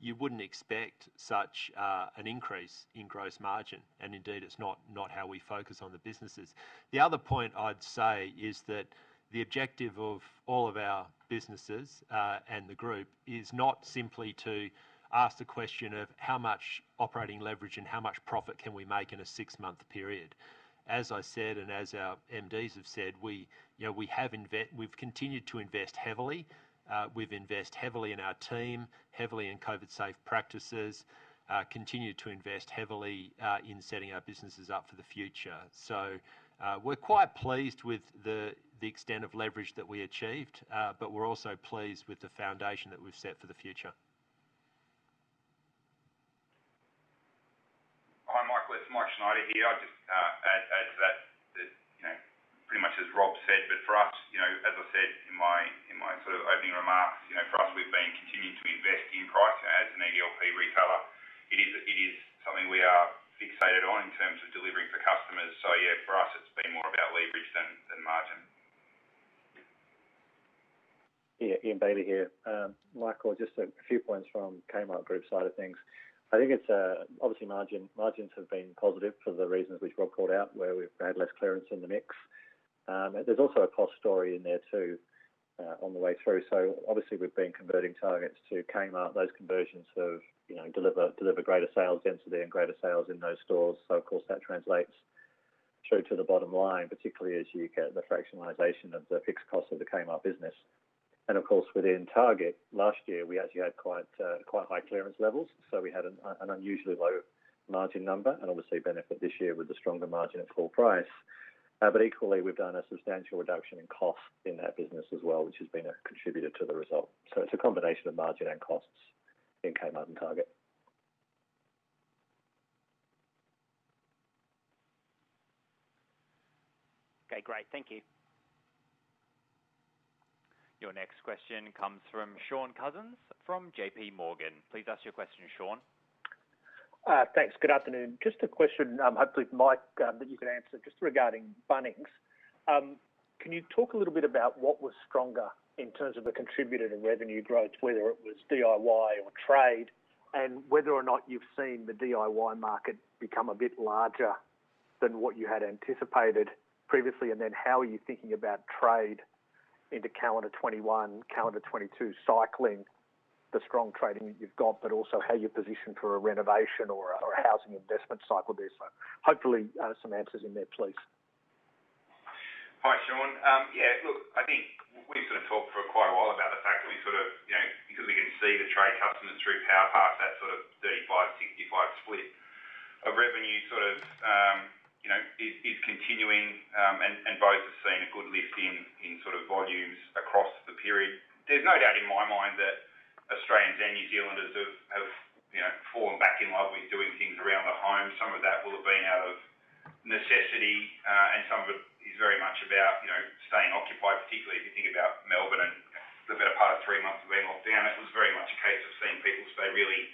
you wouldn't expect such an increase in gross margin. Indeed, it's not how we focus on the businesses. The other point I'd say is that the objective of all of our businesses and the group is not simply to ask the question of how much operating leverage and how much profit can we make in a six-month period. As I said, and as our MDs have said, we've continued to invest heavily. We've invest heavily in our team, heavily in COVID safe practices, continue to invest heavily in setting our businesses up for the future. We're quite pleased with the extent of leverage that we achieved, but we're also pleased with the foundation that we've set for the future. Hi, Michael, it's Mike Schneider here. I'll just add to that, pretty much as Rob said. For us, as I said in my sort of opening remarks, for us, we've been continuing to invest in price as an EDLP retailer. It is something we are fixated on in terms of delivering for customers. Yeah, for us, it's been more about leverage than margin. Ian Bailey here. Michael, just a few points from Kmart Group side of things. I think it's obviously margins have been positive for the reasons which Rob called out, where we've had less clearance in the mix. There's also a cost story in there too on the way through. Obviously we've been converting Targets to Kmart. Those conversions sort of deliver greater sales density and greater sales in those stores. Of course, that translates true to the bottom line, particularly as you get the fractionalization of the fixed cost of the Kmart business. Of course, within Target, last year we actually had quite high clearance levels. We had an unusually low margin number and obviously benefit this year with the stronger margin at full price. Equally, we've done a substantial reduction in cost in that business as well, which has been a contributor to the result. It's a combination of margin and costs in Kmart and Target. Okay, great. Thank you. Your next question comes from Shaun Cousins from JPMorgan. Please ask your question, Shaun. Thanks. Good afternoon. Just a question, hopefully for Mike, that you could answer just regarding Bunnings. Can you talk a little bit about what was stronger in terms of the contributor to revenue growth, whether it was DIY or trade, and whether or not you've seen the DIY market become a bit larger than what you had anticipated previously? How are you thinking about trade into calendar 2021, calendar 2022, cycling the strong trading that you've got, but also how you're positioned for a renovation or a housing investment cycle there? Hopefully, some answers in there, please. Hi, Shaun. Yeah, look, I think we've sort of talked for quite a while about the fact that we sort of, because we can see the trade customers through PowerPass, that sort of 35/65 split of revenue is continuing, and both have seen a good lift in volumes across the period. There's no doubt in my mind that Australians and New Zealanders have fallen back in love with doing things around the home. Some of that will have been out of necessity, and some of it is very much about staying occupied, particularly if you think about Melbourne and the better part of three months of being locked down. It was very much a case of seeing people stay really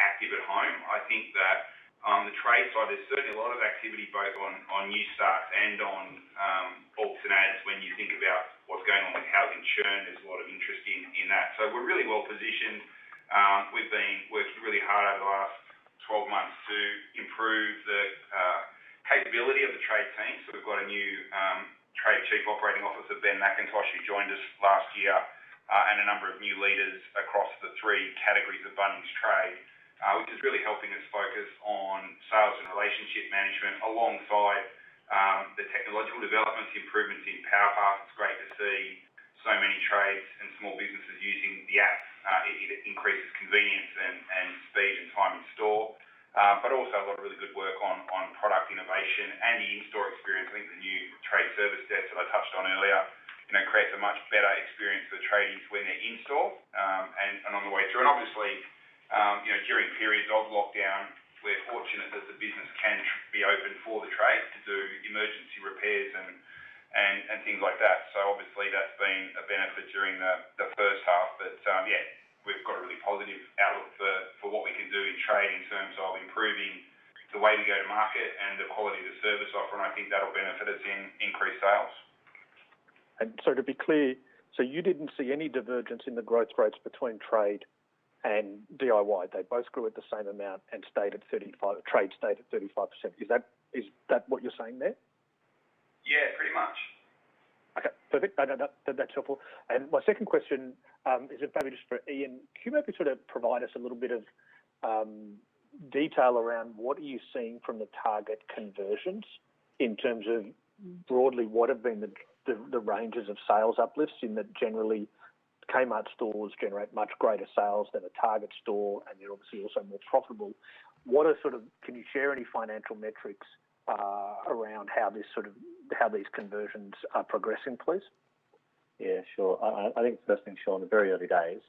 active at home. I think that on the trade side, there's certainly a lot of activity both on new starts and on alt and adds when you think about what's going on with housing churn. There's a lot of interest in that. We're really well-positioned. We've been working really hard over the last 12 months to improve the capability of the trade team. We've got a new Trade Chief Operating Officer, Ben McIntosh, who joined us last year, and a number of new leaders across the three categories of Bunnings Trade, which is really helping us focus on sales and relationship management alongside the technological developments, the improvements in PowerPass. It's great to see so many trades and small businesses using the app. It increases convenience and speed and time in store. Also a lot of really good work on product innovation and the in-store experience. I think the new trade service desk that I touched on earlier creates a much better experience for the tradies when they're in store and on the way through. Obviously, during periods of lockdown, we're fortunate that the business can be open for the trade to do emergency repairs and things like that. Obviously, that's been a benefit during the first half. Yeah, we've got a really positive outlook for what we can do in trade in terms of improving the way we go to market and the quality of the service offer, and I think that'll benefit us in increased sales. To be clear, you didn't see any divergence in the growth rates between trade and DIY. They both grew at the same amount and trade stayed at 35%. Is that what you're saying there? Yeah, pretty much. Okay, perfect. No, that's helpful. My second question is probably just for Ian. Can you maybe sort of provide us a little bit of detail around what are you seeing from the Target conversions in terms of broadly what have been the ranges of sales uplifts in that generally Kmart stores generate much greater sales than a Target store, and they're obviously also more profitable. Can you share any financial metrics around how these conversions are progressing, please? Yeah, sure. I think the first thing, Shaun, they're very early days,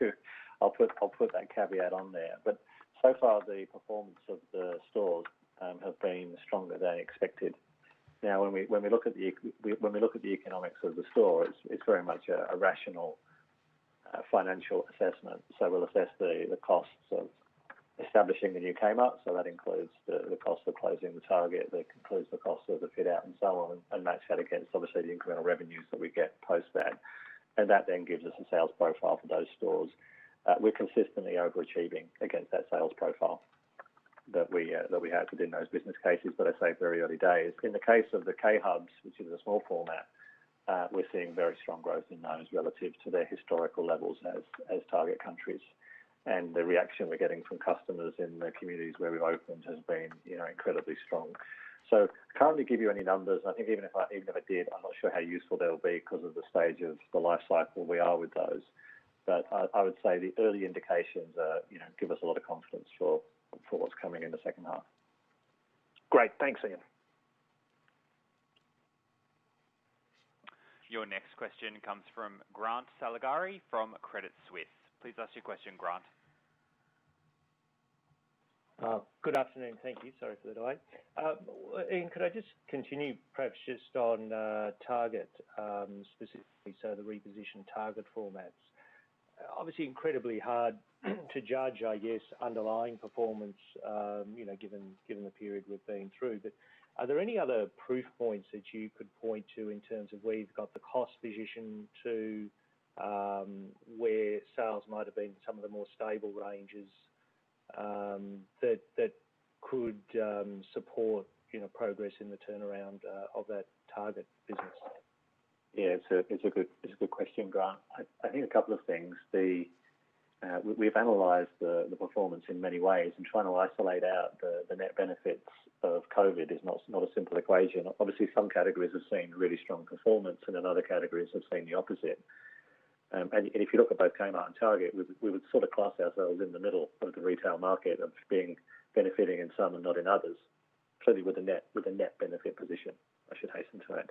so I'll put that caveat on there. So far, the performance of the stores have been stronger than expected. Now, when we look at the economics of the stores, it's very much a rational financial assessment. We'll assess the costs of establishing the new Kmart, so that includes the cost of closing the Target, that includes the cost of the fit out and so on, and match that against obviously the incremental revenues that we get post that. That then gives us a sales profile for those stores. We're consistently overachieving against that sales profile that we have within those business cases. I say very early days. In the case of the K Hubs, which is a small format, we're seeing very strong growth in those relative to their historical levels as Target countries. The reaction we're getting from customers in the communities where we've opened has been incredibly strong. Can't really give you any numbers. I think even if I did, I'm not sure how useful they'll be because of the stage of the life cycle we are with those. I would say the early indications give us a lot of confidence for what's coming in the second half. Great. Thanks, Ian. Your next question comes from Grant Saligari from Credit Suisse. Please ask your question, Grant. Good afternoon. Thank you. Sorry for the delay. Ian, could I just continue perhaps just on Target, specifically, so the repositioned Target formats? Obviously, incredibly hard to judge, I guess, underlying performance given the period we've been through. Are there any other proof points that you could point to in terms of where you've got the cost position to where sales might have been in some of the more stable ranges that could support progress in the turnaround of that Target business? Yeah, it's a good question, Grant. I think a couple of things. We've analyzed the performance in many ways, trying to isolate out the net benefits of COVID is not a simple equation. Obviously, some categories have seen really strong performance, other categories have seen the opposite. If you look at both Kmart and Target, we would sort of class ourselves in the middle of the retail market of benefiting in some and not in others. Clearly, with a net benefit position, I should hasten to add.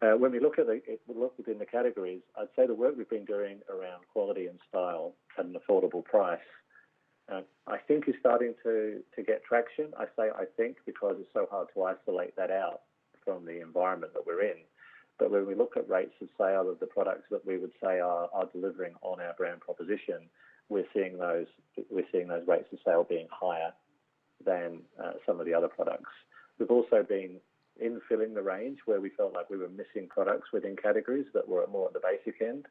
When we look within the categories, I'd say the work we've been doing around quality and style at an affordable price, I think is starting to get traction. I say I think because it's so hard to isolate that out from the environment that we're in. When we look at rates of sale of the products that we would say are delivering on our brand proposition, we're seeing those rates of sale being higher than some of the other products. We've also been in-filling the range where we felt like we were missing products within categories that were at more at the basic end,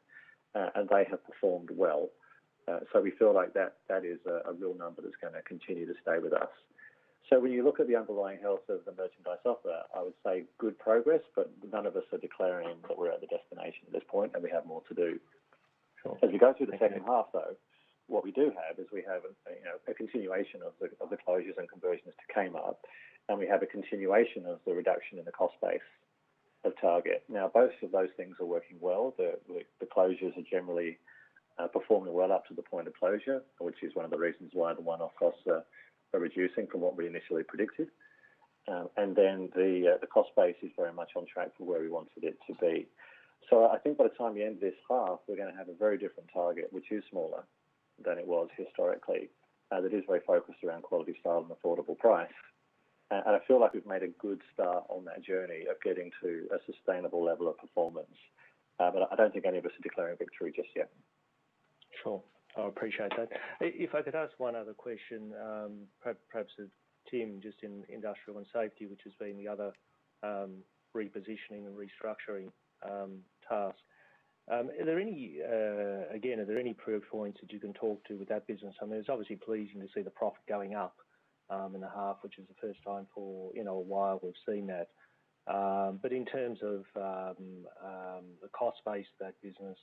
and they have performed well. We feel like that is a real number that's going to continue to stay with us. When you look at the underlying health of the merchandise offer, I would say good progress, but none of us are declaring that we're at the destination at this point, and we have more to do. Sure. As we go through the second half, though, what we do have is we have a continuation of the closures and conversions to Kmart, and we have a continuation of the reduction in the cost base of Target. Both of those things are working well. The closures are generally performing well up to the point of closure, which is one of the reasons why the one-off costs are reducing from what we initially predicted. The cost base is very much on track for where we wanted it to be. I think by the time you end this half, we're going to have a very different Target, which is smaller than it was historically, and it is very focused around quality, style, and affordable price. I feel like we've made a good start on that journey of getting to a sustainable level of performance. I don't think any of us are declaring victory just yet. Sure. I appreciate that. If I could ask one other question, perhaps of Tim, just in Industrial and Safety, which has been the other repositioning and restructuring task. Are there any proof points that you can talk to with that business? I mean, it's obviously pleasing to see the profit going up in the half, which is the first time in a while we've seen that. In terms of the cost base of that business,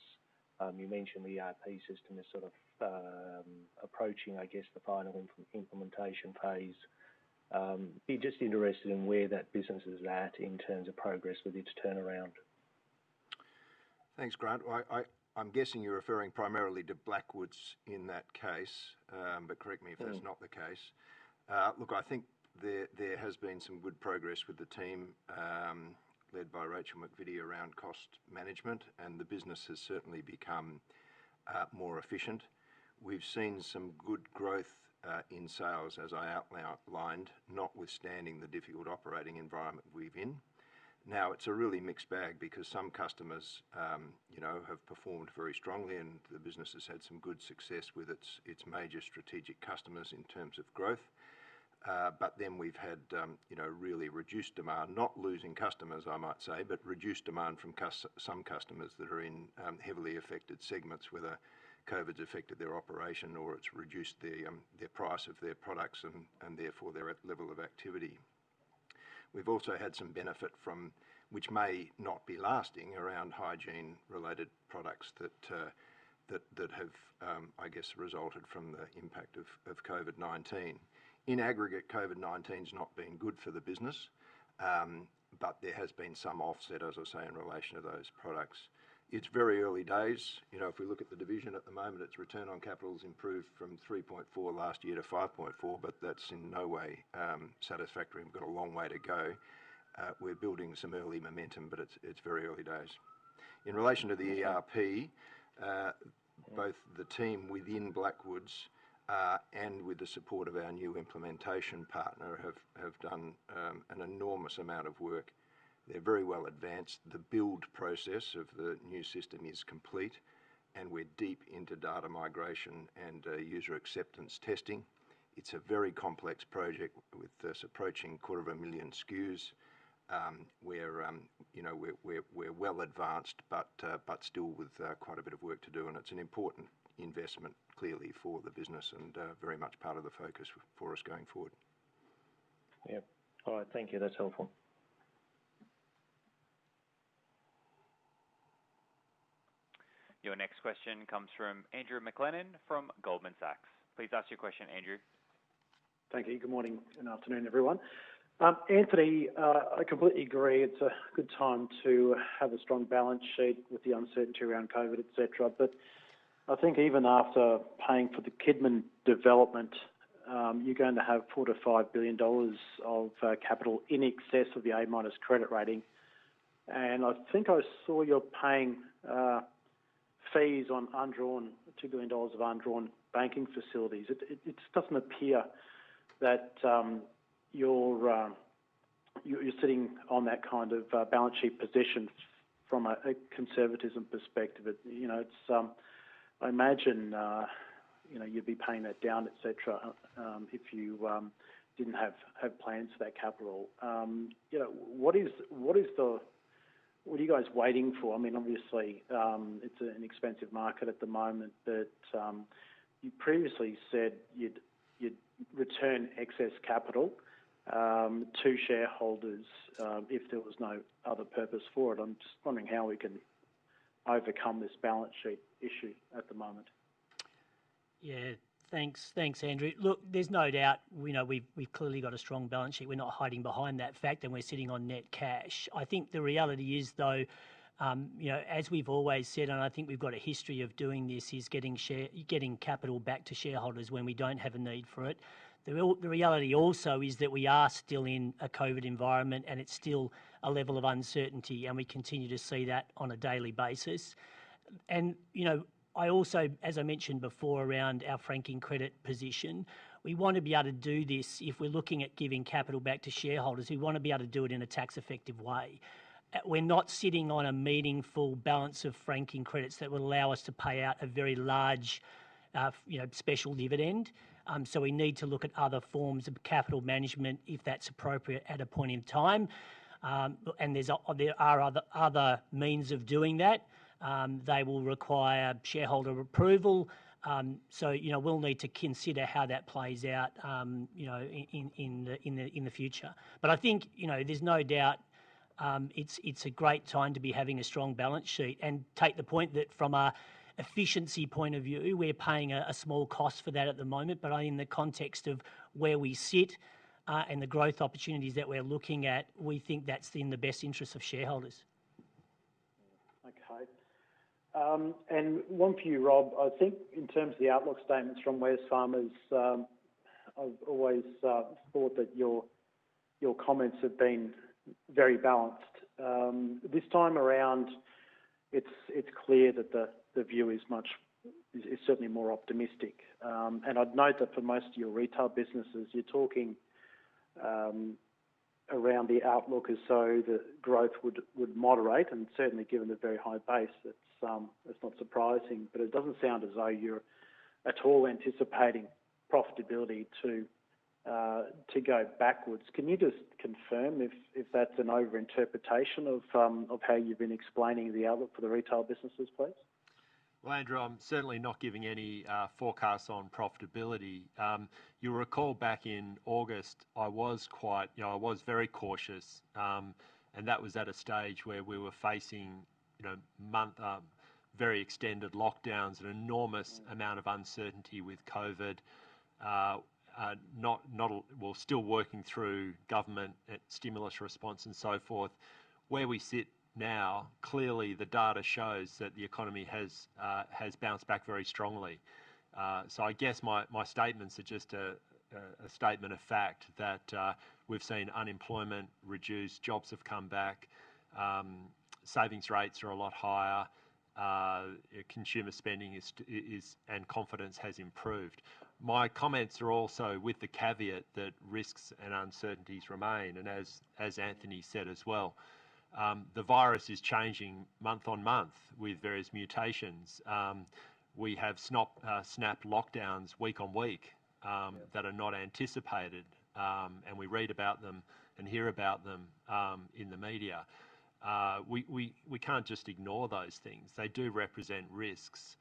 you mentioned the ERP system is sort of approaching, I guess, the final implementation phase. I'd be just interested in where that business is at in terms of progress with its turnaround. Thanks, Grant. I'm guessing you're referring primarily to Blackwoods in that case, but correct me if that's not the case. Look, I think there has been some good progress with the team, led by Rachael McVitty, around cost management, and the business has certainly become more efficient. We've seen some good growth in sales, as I outlined, notwithstanding the difficult operating environment we're in. It's a really mixed bag because some customers have performed very strongly and the business has had some good success with its major strategic customers in terms of growth. We've had really reduced demand. Not losing customers, I might say, but reduced demand from some customers that are in heavily affected segments, whether COVID's affected their operation or it's reduced their price of their products and therefore their level of activity. We've also had some benefit from, which may not be lasting, around hygiene-related products that have, I guess, resulted from the impact of COVID-19. In aggregate, COVID-19's not been good for the business, but there has been some offset, as I say, in relation to those products. It's very early days. If we look at the division at the moment, its return on capital's improved from 3.4% last year to 5.4%, but that's in no way satisfactory and we've got a long way to go. We're building some early momentum, but it's very early days. In relation to the ERP, both the team within Blackwoods, and with the support of our new implementation partner, have done an enormous amount of work. They're very well advanced. The build process of the new system is complete, and we're deep into data migration and user acceptance testing. It's a very complex project with us approaching quarter of a million SKUs. We're well advanced, but still with quite a bit of work to do, and it's an important investment, clearly, for the business and very much part of the focus for us going forward. Yeah. All right. Thank you. That's helpful. Your next question comes from Andrew McLennan from Goldman Sachs. Please ask your question, Andrew. Thank you. Good morning and afternoon, everyone. Anthony, I completely agree it's a good time to have a strong balance sheet with the uncertainty around COVID, etc. I think even after paying for the Kidman development, you're going to have 4 billion-5 billion dollars of capital in excess of the A- credit rating. I think I saw you're paying fees on 2 billion dollars of undrawn banking facilities. It doesn't appear that you're sitting on that kind of balance sheet position from a conservatism perspective. I imagine you'd be paying that down, etc, if you didn't have plans for that capital. What are you guys waiting for? I mean, obviously, it's an expensive market at the moment, but you previously said you'd return excess capital to shareholders if there was no other purpose for it. I'm just wondering how we can overcome this balance sheet issue at the moment. Yeah. Thanks, Andrew. Look, there's no doubt, we've clearly got a strong balance sheet. We're not hiding behind that fact, and we're sitting on net cash. I think the reality is, though, as we've always said, and I think we've got a history of doing this, is getting capital back to shareholders when we don't have a need for it. The reality also is that we are still in a COVID environment and it's still a level of uncertainty, and we continue to see that on a daily basis. I also, as I mentioned before around our franking credit position, we want to be able to do this if we're looking at giving capital back to shareholders, we want to be able to do it in a tax effective way. We're not sitting on a meaningful balance of franking credits that would allow us to pay out a very large special dividend. We need to look at other forms of capital management, if that's appropriate at a point in time. There are other means of doing that. They will require shareholder approval. We'll need to consider how that plays out in the future. I think, there's no doubt, it's a great time to be having a strong balance sheet. Take the point that from an efficiency point of view, we're paying a small cost for that at the moment, but in the context of where we sit, and the growth opportunities that we're looking at, we think that's in the best interest of shareholders. Okay. One for you, Rob. I think in terms of the outlook statements from Wesfarmers, I've always thought that your comments have been very balanced. This time around, it's clear that the view is certainly more optimistic. I'd note that for most of your retail businesses, you're talking around the outlook as so that growth would moderate and certainly given the very high base, that's not surprising. It doesn't sound as though you're at all anticipating profitability to go backwards. Can you just confirm if that's an over-interpretation of how you've been explaining the outlook for the retail businesses, please? Well, Andrew, I'm certainly not giving any forecasts on profitability. You'll recall back in August, I was very cautious. That was at a stage where we were facing very extended lockdowns and an enormous amount of uncertainty with COVID. We're still working through government stimulus response and so forth. Where we sit now, clearly the data shows that the economy has bounced back very strongly. I guess my statements are just a statement of fact that we've seen unemployment reduce, jobs have come back, savings rates are a lot higher, consumer spending and confidence has improved. My comments are also with the caveat that risks and uncertainties remain, and as Anthony said as well, the virus is changing month on month with various mutations. We have snap lockdowns week on week- Yeah. ...that are not anticipated, and we read about them and hear about them in the media. We can't just ignore those things. They do represent risks.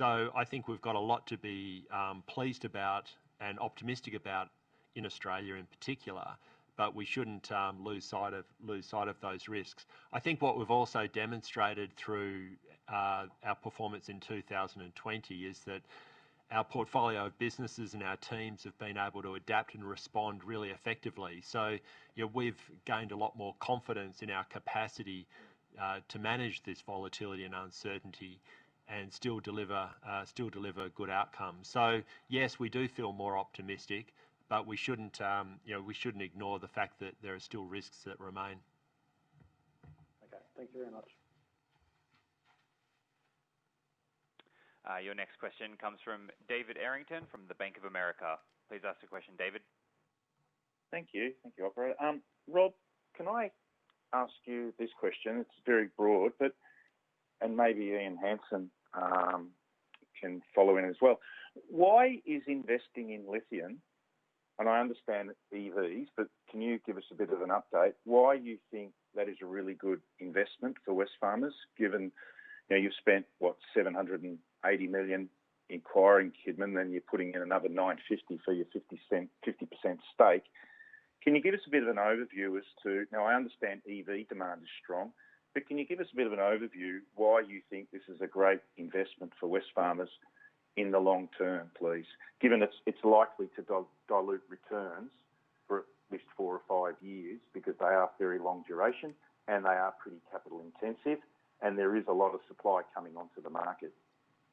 I think we've got a lot to be pleased about and optimistic about in Australia in particular, but we shouldn't lose sight of those risks. I think what we've also demonstrated through our performance in 2020 is that our portfolio of businesses and our teams have been able to adapt and respond really effectively. We've gained a lot more confidence in our capacity to manage this volatility and uncertainty and still deliver a good outcome. Yes, we do feel more optimistic, but we shouldn't ignore the fact that there are still risks that remain. Okay. Thank you very much. Your next question comes from David Errington from the Bank of America. Please ask your question, David. Thank you. Thank you, operator. Rob, can I ask you this question? It's very broad. Maybe Ian Hansen can follow in as well. Why is investing in lithium, and I understand EVs, but can you give us a bit of an update why you think that is a really good investment for Wesfarmers, given you've spent, what, 780 million acquiring Kidman, then you're putting in another 950 for your 50% stake. Now, I understand EV demand is strong, but can you give us a bit of an overview why you think this is a great investment for Wesfarmers in the long term, please? Given it's likely to dilute returns for at least four or five years because they are very long duration and they are pretty capital intensive, and there is a lot of supply coming onto the market.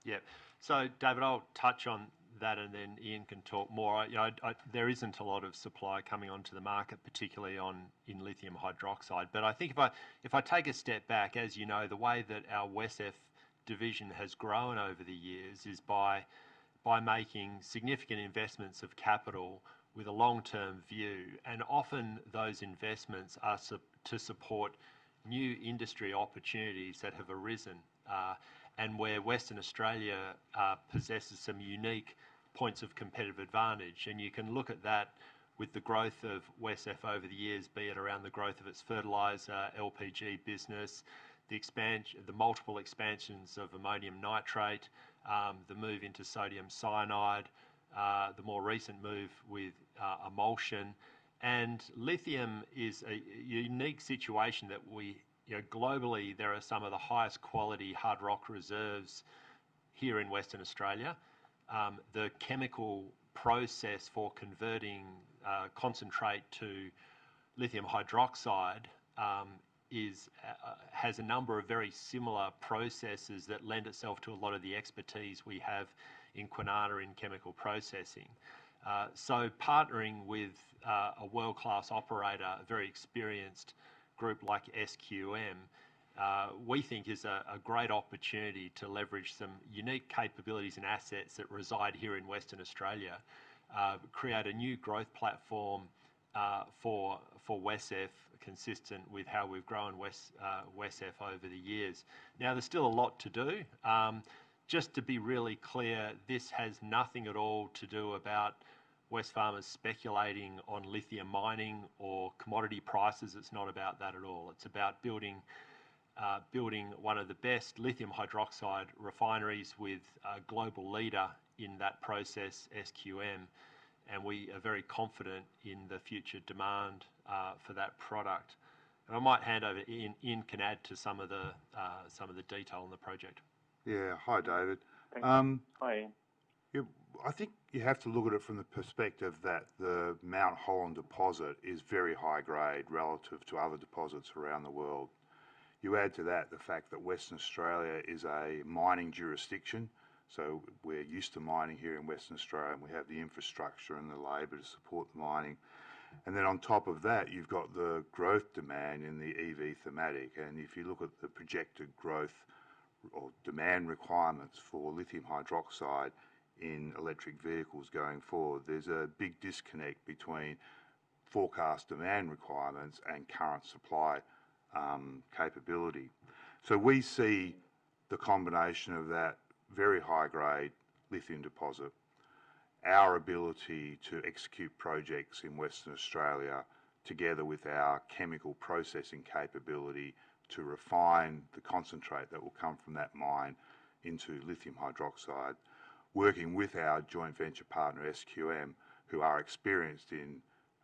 Yeah. David, I'll touch on that and then Ian can talk more. There isn't a lot of supply coming onto the market, particularly in lithium hydroxide. I think if I take a step back, as you know, the way that our WesCEF division has grown over the years is by making significant investments of capital with a long-term view. Often those investments are to support new industry opportunities that have arisen, and where Western Australia possesses some unique points of competitive advantage. You can look at that with the growth of WesCEF over the years, be it around the growth of its fertilizer, LPG business, the multiple expansions of ammonium nitrate, the move into sodium cyanide, the recent move with a motion. Lithium is a unique situation that we, globally, there are some of the highest quality hard rock reserves here in Western Australia. The chemical process for converting concentrate to lithium hydroxide has a number of very similar processes that lend itself to a lot of the expertise we have in Kwinana in chemical processing. Partnering with a world-class operator, a very experienced group like SQM, we think is a great opportunity to leverage some unique capabilities and assets that reside here in Western Australia, create a new growth platform for WesCEF consistent with how we've grown WesCEF over the years. There's still a lot to do. Just to be really clear, this has nothing at all to do about Wesfarmers speculating on lithium mining or commodity prices. It's not about that at all. It's about building one of the best lithium hydroxide refineries with a global leader in that process, SQM, and we are very confident in the future demand for that product. I might hand over, Ian can add to some of the detail on the project. Yeah. Hi, David. Thanks. Hi, Ian. I think you have to look at it from the perspective that the Mount Holland deposit is very high grade relative to other deposits around the world. You add to that the fact that Western Australia is a mining jurisdiction, so we're used to mining here in Western Australia, and we have the infrastructure and the labor to support the mining. Then on top of that, you've got the growth demand in the EV thematic. If you look at the projected growth or demand requirements for lithium hydroxide in electric vehicles going forward, there's a big disconnect between forecast demand requirements and current supply capability. We see the combination of that very high-grade lithium deposit, our ability to execute projects in Western Australia together with our chemical processing capability to refine the concentrate that will come from that mine into lithium hydroxide, working with our joint venture partner, SQM, who are experienced in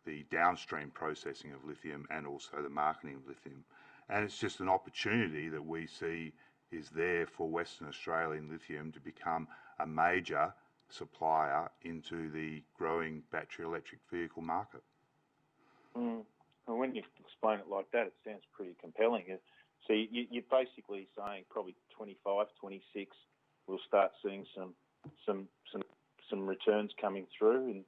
the downstream processing of lithium and also the marketing of lithium. It's just an opportunity that we see is there for Western Australian lithium to become a major supplier into the growing battery electric vehicle market. When you explain it like that, it sounds pretty compelling. You're basically saying probably 2025, 2026, we'll start seeing some returns coming through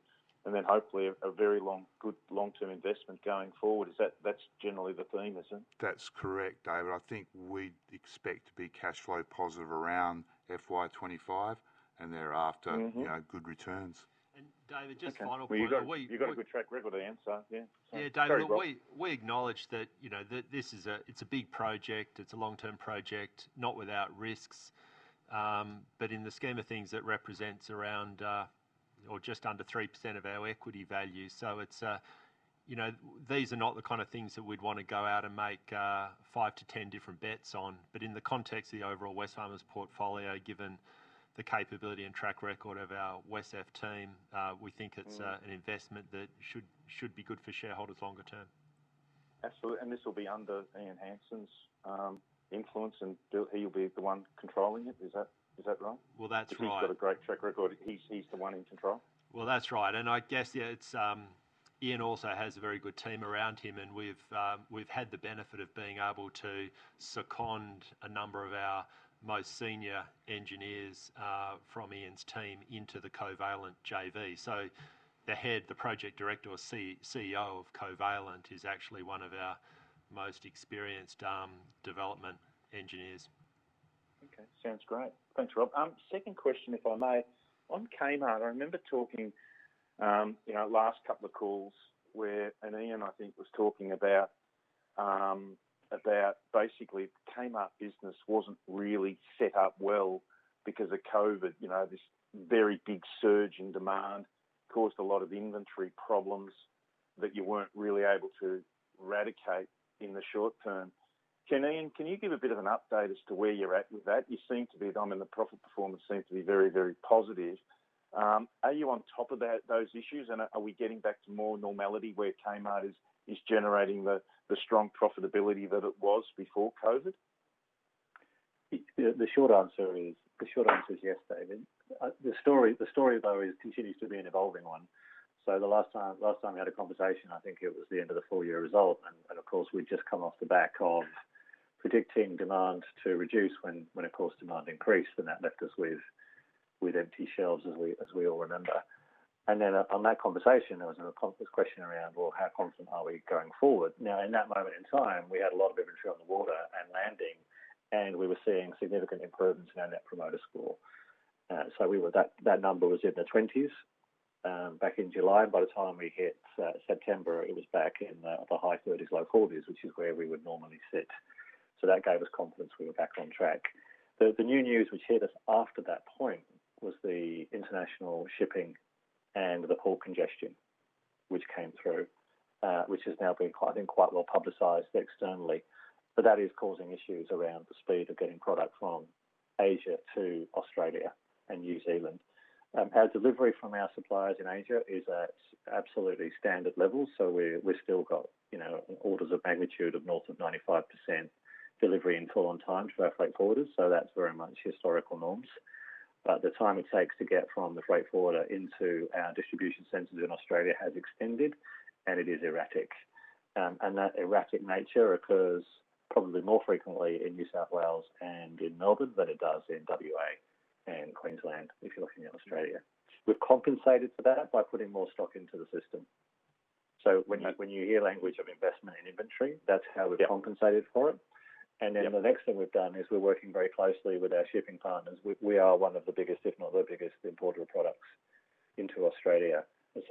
and then hopefully a very good long-term investment going forward. That's generally the theme, is it? That's correct, David. I think we'd expect to be cash flow positive around FY 2025 and thereafter good returns. David, just final point. You've got a good track record, Ian, so yeah. Yeah, David. Very well. We acknowledge that it's a big project, it's a long-term project, not without risks. In the scheme of things, it represents around or just under 3% of our equity value. These are not the kind of things that we'd want to go out and make 5-10 different bets on. In the context of the overall Wesfarmers portfolio, given the capability and track record of our WesCEF team, we think it's an investment that should be good for shareholders longer term. Absolutely. This will be under Ian Hansen's influence and he'll be the one controlling it. Is that right? Well, that's right. He's got a great track record. He's the one in control? That's right. I guess, Ian also has a very good team around him, and we've had the benefit of being able to second a number of our most senior engineers from Ian's team into the Covalent JV. The Head, the Project Director or CEO of Covalent is actually one of our most experienced development engineers. Okay. Sounds great. Thanks, Rob. Second question, if I may. On Kmart, I remember talking in our last couple of calls where, and Ian, I think, was talking about basically Kmart business wasn't really set up well because of COVID. This very big surge in demand caused a lot of inventory problems that you weren't really able to eradicate in the short term. Ian, can you give a bit of an update as to where you're at with that? I mean, the profit performance seems to be very, very positive. Are you on top of those issues, and are we getting back to more normality where Kmart is generating the strong profitability that it was before COVID? The short answer is yes, David. The story, though, continues to be an evolving one. The last time we had a conversation, I think it was the end of the full-year result. Of course, we'd just come off the back of predicting demand to reduce when, of course, demand increased, and that left us with empty shelves as we all remember. Then on that conversation, there was a question around, well, how confident are we going forward? In that moment in time, we had a lot of inventory on the water and landing, and we were seeing significant improvements in our net promoter score. That number was in the 20s back in July. By the time we hit September, it was back in the high 30s, low 40s, which is where we would normally sit. That gave us confidence we were back on track. The new news which hit us after that point was the international shipping and the port congestion, which came through, which has now been, I think, quite well-publicized externally. That is causing issues around the speed of getting product from Asia to Australia and New Zealand. Our delivery from our suppliers in Asia is at absolutely standard levels. We've still got orders of magnitude of north of 95% delivery and full on time for our freight forwarders, so that's very much historical norms. The time it takes to get from the freight forwarder into our distribution centers in Australia has extended, and it is erratic. That erratic nature occurs probably more frequently in New South Wales and in Melbourne than it does in W.A. and Queensland, if you're looking at Australia. We've compensated for that by putting more stock into the system. When you hear language of investment in inventory, that's how we've compensated for it. Yeah. The next thing we've done is we're working very closely with our shipping partners. We are one of the biggest, if not the biggest importer of products into Australia.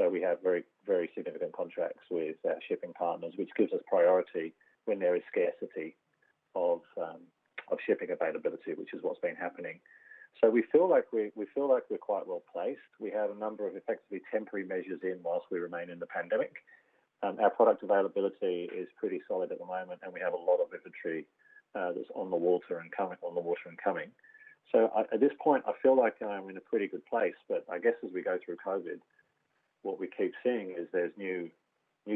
We have very significant contracts with our shipping partners, which gives us priority when there is scarcity of shipping availability, which is what's been happening. We feel like we're quite well-placed. We have a number of effectively temporary measures in whilst we remain in the pandemic. Our product availability is pretty solid at the moment, and we have a lot of inventory that's on the water and coming. At this point, I feel like I'm in a pretty good place. I guess as we go through COVID, what we keep seeing is there's new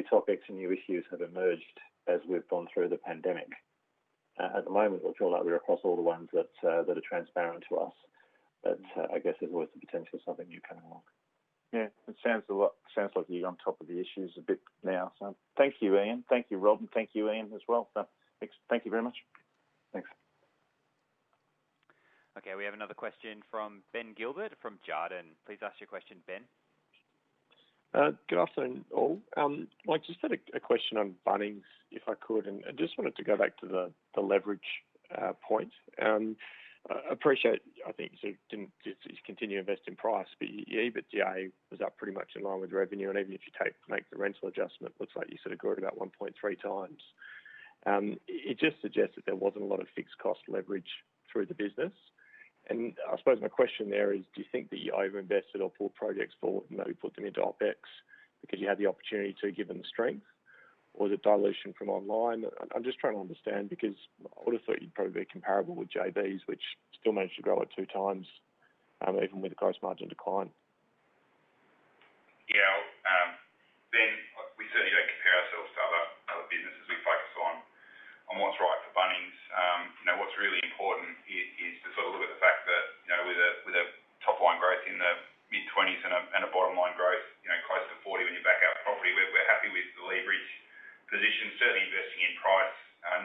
topics and new issues have emerged as we've gone through the pandemic. At the moment, we feel like we're across all the ones that are transparent to us, but I guess there's always the potential of something new coming along. Yeah. It sounds like you're on top of the issues a bit now. Thank you, Ian. Thank you, Rob. Thank you, Ian, as well. Thank you very much. Thanks. Okay. We have another question from Ben Gilbert from Jarden. Please ask your question, Ben. Good afternoon, all. I just had a question on Bunnings, if I could, and I just wanted to go back to the leverage point. Appreciate, I think you continue to invest in price, but EBITDA was up pretty much in line with revenue. Even if you make the rental adjustment, looks like you sort of grew it about 1.3x. It just suggests that there wasn't a lot of fixed cost leverage through the business. I suppose my question there is, do you think that you over-invested or pulled projects forward and maybe put them into OpEx because you had the opportunity to, given the strength? Is it dilution from online? I'm just trying to understand, because I would have thought you'd probably be comparable with JBs, which still managed to grow it 2x, even with the gross margin decline. Yeah, Ben, we certainly don't compare ourselves to other businesses. We focus on what's right for Bunnings. What's really important is to sort of look at the fact that with a top line growth in the mid-20s and a bottom line growth close to 40% when you back out property, we're happy with the leverage position. Certainly investing in price.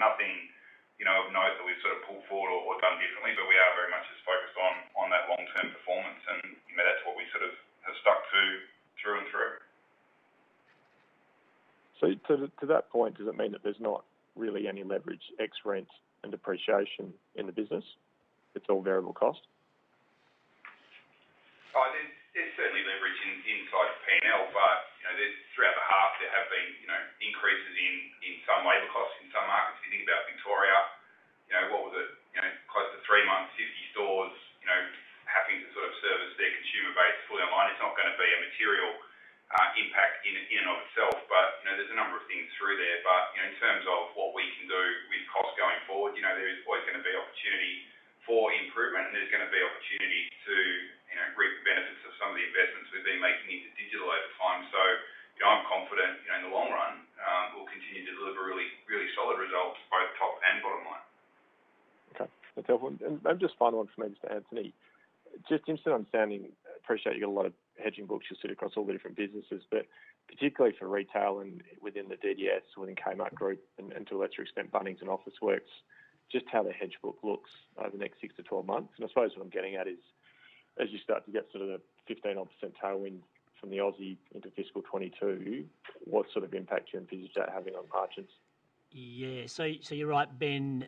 Nothing of note that we've sort of pulled forward or done differently, but we are very much just focused on that long-term performance, and that's what we sort of have stuck to through and through. To that point, does it mean that there's not really any leverage ex rent and depreciation in the business? It's all variable cost? margins? You're right, Ben.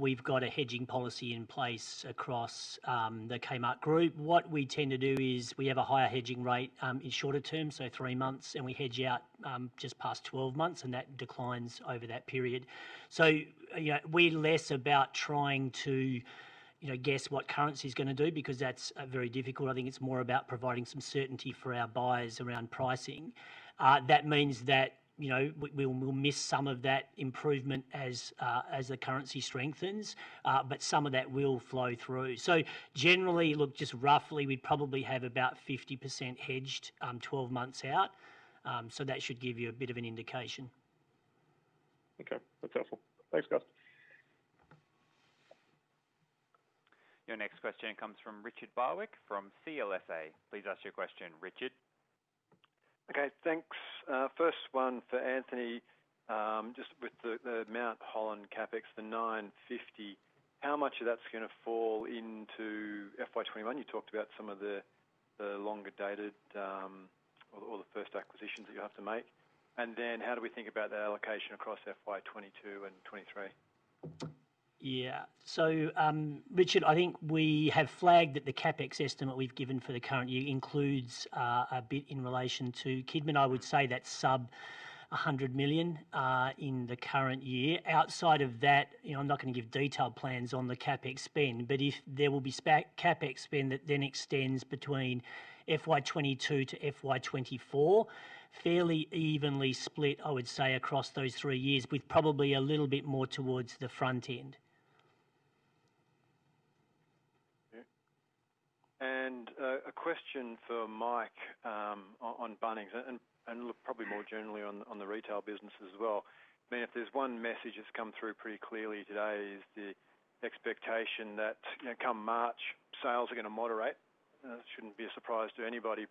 We've got a hedging policy in place across the Kmart Group. What we tend to do is we have a higher hedging rate in shorter term, so three months, we hedge out just past 12 months, that declines over that period. We're less about trying to guess what currency's going to do, because that's very difficult. I think it's more about providing some certainty for our buyers around pricing. That means that we'll miss some of that improvement as the currency strengthens, some of that will flow through. Generally, look, just roughly, we probably have about 50% hedged 12 months out. That should give you a bit of an indication. Okay. That's helpful. Thanks, guys. Your next question comes from Richard Barwick from CLSA. Please ask your question, Richard. Okay. Thanks. First one for Anthony. Just with the Mount Holland CapEx, the 950, how much of that's going to fall into FY 2021? You talked about some of the longer dated or the first acquisitions that you have to make. Then how do we think about the allocation across FY 2022 and FY 2023? Yeah. Richard, I think we have flagged that the CapEx estimate we've given for the current year includes a bit in relation to Kidman. I would say that sub 100 million in the current year. Outside of that, I'm not going to give detailed plans on the CapEx spend, but there will be CapEx spend that then extends between FY 2022 to FY 2024, fairly evenly split, I would say, across those three years, with probably a little bit more towards the front end. Okay. A question for Mike on Bunnings, and look probably more generally on the retail business as well. Man, if there's one message that's come through pretty clearly today, it is the expectation that come March, sales are going to moderate. That shouldn't be a surprise to anybody.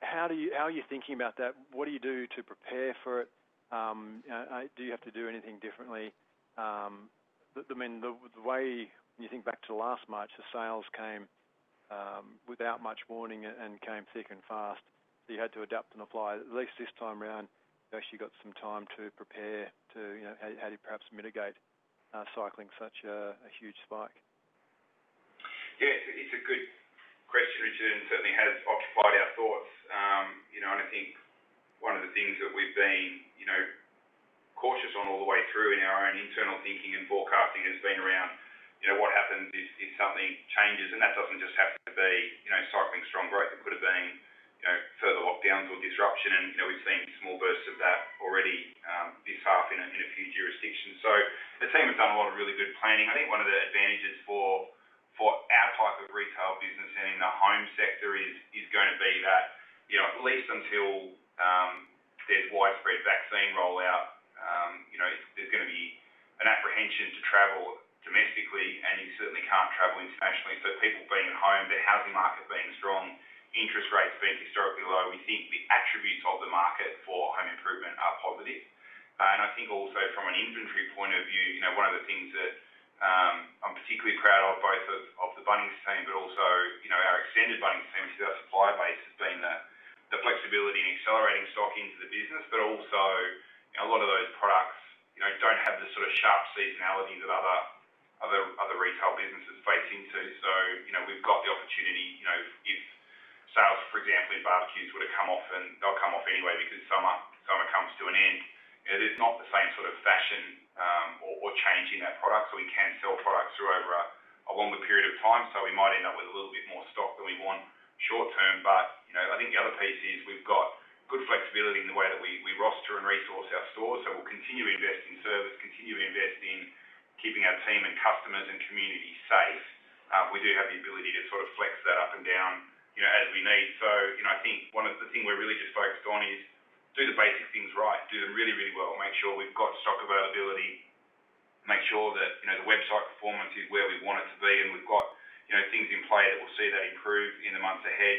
How are you thinking about that? What do you do to prepare for it? Do you have to do anything differently? When you think back to last March, the sales came without much warning and came thick and fast, so you had to adapt on the fly. At least this time around, you actually got some time to prepare to how do you perhaps mitigate cycling such a huge spike? Yeah. It's a good question, Richard, certainly has occupied our thoughts. I think one of the things that we've been cautious on all the way through in our own internal thinking and forecasting has been around what happens if something changes. That doesn't just have to be cycling strong growth. It could've been further lockdowns or disruption. We've seen small bursts of that already this half in a few jurisdictions. The team has done a lot of really good planning. I think one of the advantages for our type of retail business and in the home sector is going to be that, at least until there's widespread vaccine rollout, there's going to be an apprehension to travel domestically, and you certainly can't travel internationally. People being at home, the housing market being strong, interest rates being historically low, we think the attributes of the market for home improvement are positive. I think also from an inventory point of view, one of the things that I'm particularly proud of, both of the Bunnings team, but also our extended Bunnings team, which is our supplier base, has been the flexibility in accelerating stock into the business, but also a lot of those products don't have the sort of sharp seasonality that other retail businesses face into. We've got the opportunity, if sales, for example, in barbecues were to come off, and they'll come off anyway because summer kind of comes to an end, it is not the same sort of fashion or change in that product. We can sell products through over a longer period of time. We might end up with a little bit more stock than we want short-term. I think the other piece is we've got good flexibility in the way that we roster and resource our stores. We'll continue to invest in service, continue to invest in keeping our team and customers and community safe. We do have the ability to sort of flex that up and down as we need. I think one of the thing we're really just focused on is do the basic things right, do them really, really well. Make sure we've got stock availability, make sure that the website performance is where we want it to be, and we've got things in play that will see that improve in the months ahead.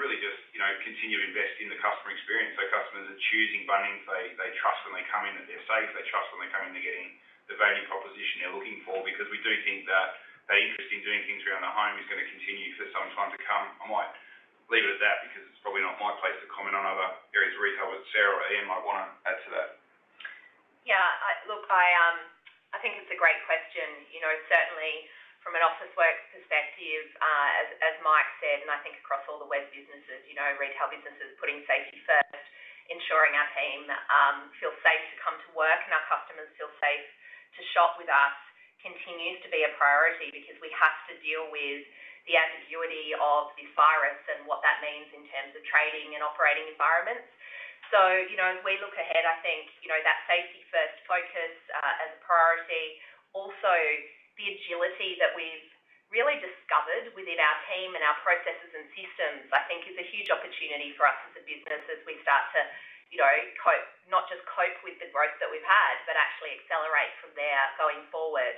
Really just continue to invest in the customer experience so customers are choosing Bunnings. They trust when they come in that they're safe. They trust when they come in, they're getting the value proposition they're looking for because we do think that that interest in doing things around the home is going to continue for some time to come. I might leave it at that because it's probably not my place to comment on other areas of retail, but Sarah or Ian might want to add to that. Yeah. Look, I think it's a great question. Certainly from an Officeworks perspective, as Mike said, I think across all the Wesfarmers businesses, retail businesses putting safety first, ensuring our team feel safe to come to work and our customers feel safe to shop with us continues to be a priority because we have to deal with the ambiguity of this virus and what that means in terms of trading and operating environments. As we look ahead, I think that safety-first focus as a priority, also the agility that we've really discovered within our team and our processes and systems, I think is a huge opportunity for us as a business as we start to not just cope with the growth that we've had, but actually accelerate from there going forward.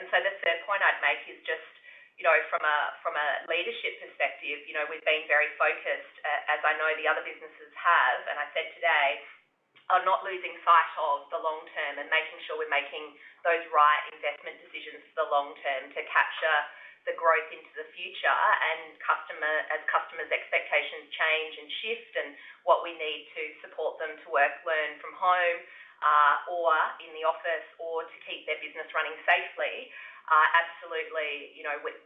The third point I'd make is just from a leadership perspective, we've been very focused, as I know the other businesses have. And I said today, are not losing sight of the long term and making sure we're making those right investment decisions for the long term to capture the growth into the future and as customers' expectations change and shift and what we need to support them to work, learn from home or in the office or to keep their business running safely, absolutely,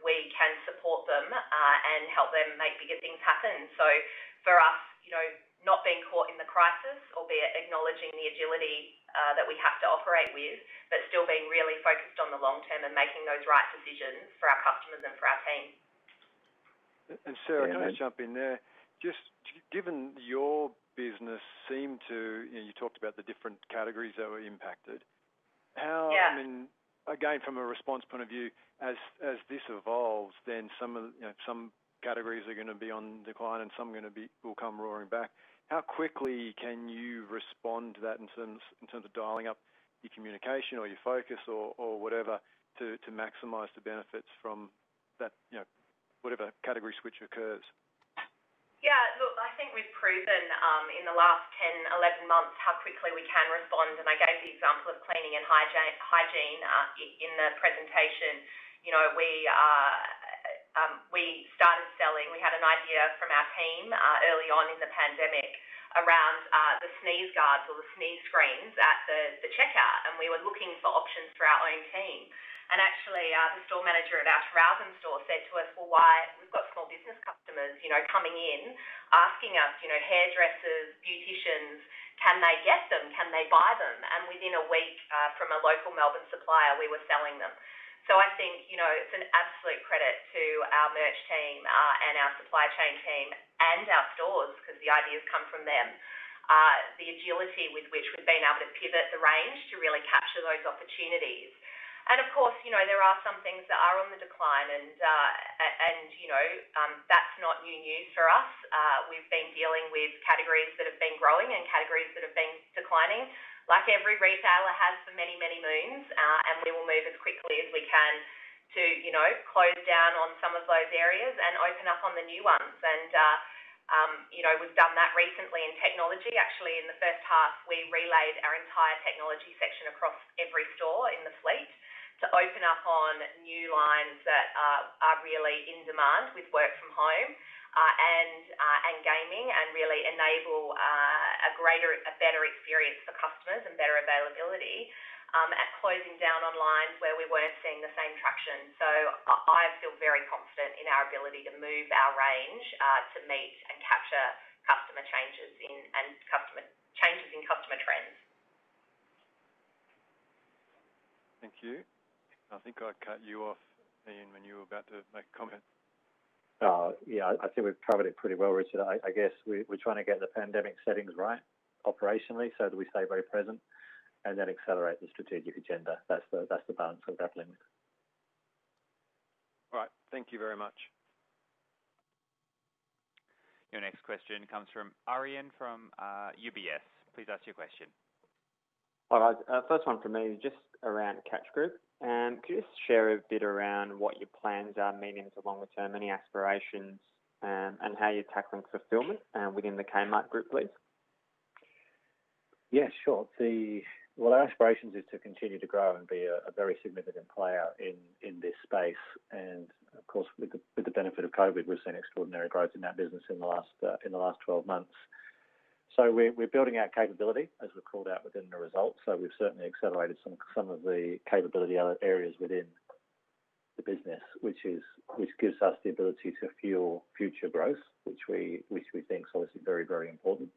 we can support them, and help them make bigger things happen. For us, not being caught in the crisis, albeit acknowledging the agility that we have to operate with, but still being really focused on the long term and making those right decisions for our customers and for our team. Sarah, can I jump in there? Just given your business, you talked about the different categories that were impacted. Yeah. I mean, again, from a response point of view, as this evolves, then some categories are going to be on decline and some will come roaring back. How quickly can you respond to that in terms of dialing up your communication or your focus or whatever to maximize the benefits from whatever category switch occurs? Look, I think we've proven in the last 10, 11 months how quickly we can respond. I gave the example of cleaning and hygiene in the presentation. We started selling, we had an idea from our team early on in the pandemic around the sneeze guards or the sneeze screens at the checkout. We were looking for options for our own team. Actually, the store manager at[Target] store said to us, "Well, why? We've got small business customers coming in asking us, hairdressers, beauticians, can they get them? Can they buy them?" Within a week, from a local Melbourne supplier, we were selling them. I think it's an absolute credit to our merch team and our supply chain team and our stores, because the ideas come from them. The agility with which we've been able to pivot the range to really capture those opportunities. Of course, there are some things that are on the decline and that's not new news for us. We've been dealing with categories that have been growing and categories that have been declining, like every retailer has for many, many moons. We will move as quickly as we can to close down on some of those areas and open up on the new ones. We've done that recently in technology. Actually, in the first half, we relaid our entire technology section across every store in the fleet to open up on new lines that are really in demand with work from home and gaming, and really enable a better experience for customers and better availability. Closing down on lines where we weren't seeing the same traction. I feel very confident in our ability to move our range to meet and capture customer changes and changes in customer trends. Thank you. I think I cut you off, Ian, when you were about to make a comment. Yeah. I think we've covered it pretty well, Richard. I guess we're trying to get the pandemic settings right operationally, so that we stay very present and then accelerate the strategic agenda. That's the balance we're grappling with. All right. Thank you very much. Your next question comes from Aryan from UBS. Please ask your question. All right. First one from me, just around Catch Group. Can you just share a bit around what your plans are, medium to longer term, any aspirations, and how you're tackling fulfillment within the Kmart Group, please? Yeah, sure. Well, our aspirations is to continue to grow and be a very significant player in this space. Of course, with the benefit of COVID, we've seen extraordinary growth in that business in the last 12 months. We're building our capability, as we've called out within the results. We've certainly accelerated some of the capability areas within the business, which gives us the ability to fuel future growth, which we think is obviously very important,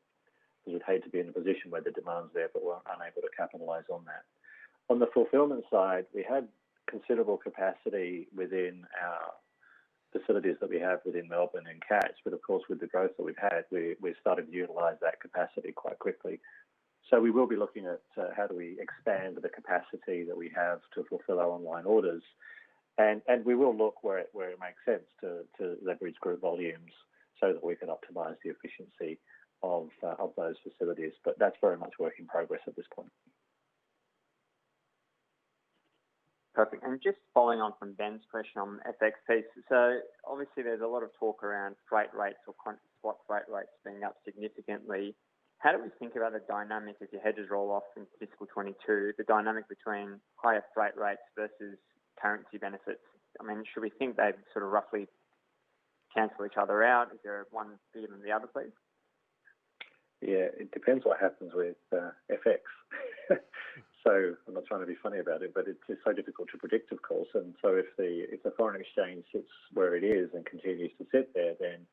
because we'd hate to be in a position where the demand's there, but we're unable to capitalize on that. On the fulfillment side, we had considerable capacity within our facilities that we have within Melbourne and Catch, but of course, with the growth that we've had, we've started to utilize that capacity quite quickly. We will be looking at how do we expand the capacity that we have to fulfill our online orders. We will look where it makes sense to leverage group volumes so that we can optimize the efficiency of those facilities. That's very much work in progress at this point. Perfect. Just following on from Ben's question on the FX piece. Obviously there's a lot of talk around freight rates or spot freight rates being up significantly. How do we think about the dynamic as your hedges roll off in FY 2022, the dynamic between higher freight rates versus currency benefits? Should we think they'd sort of roughly cancel each other out? Is there one bigger than the other, please? Yeah. It depends what happens with FX. I'm not trying to be funny about it, but it's just so difficult to predict, of course. If the foreign exchange sits where it is and continues to sit there, then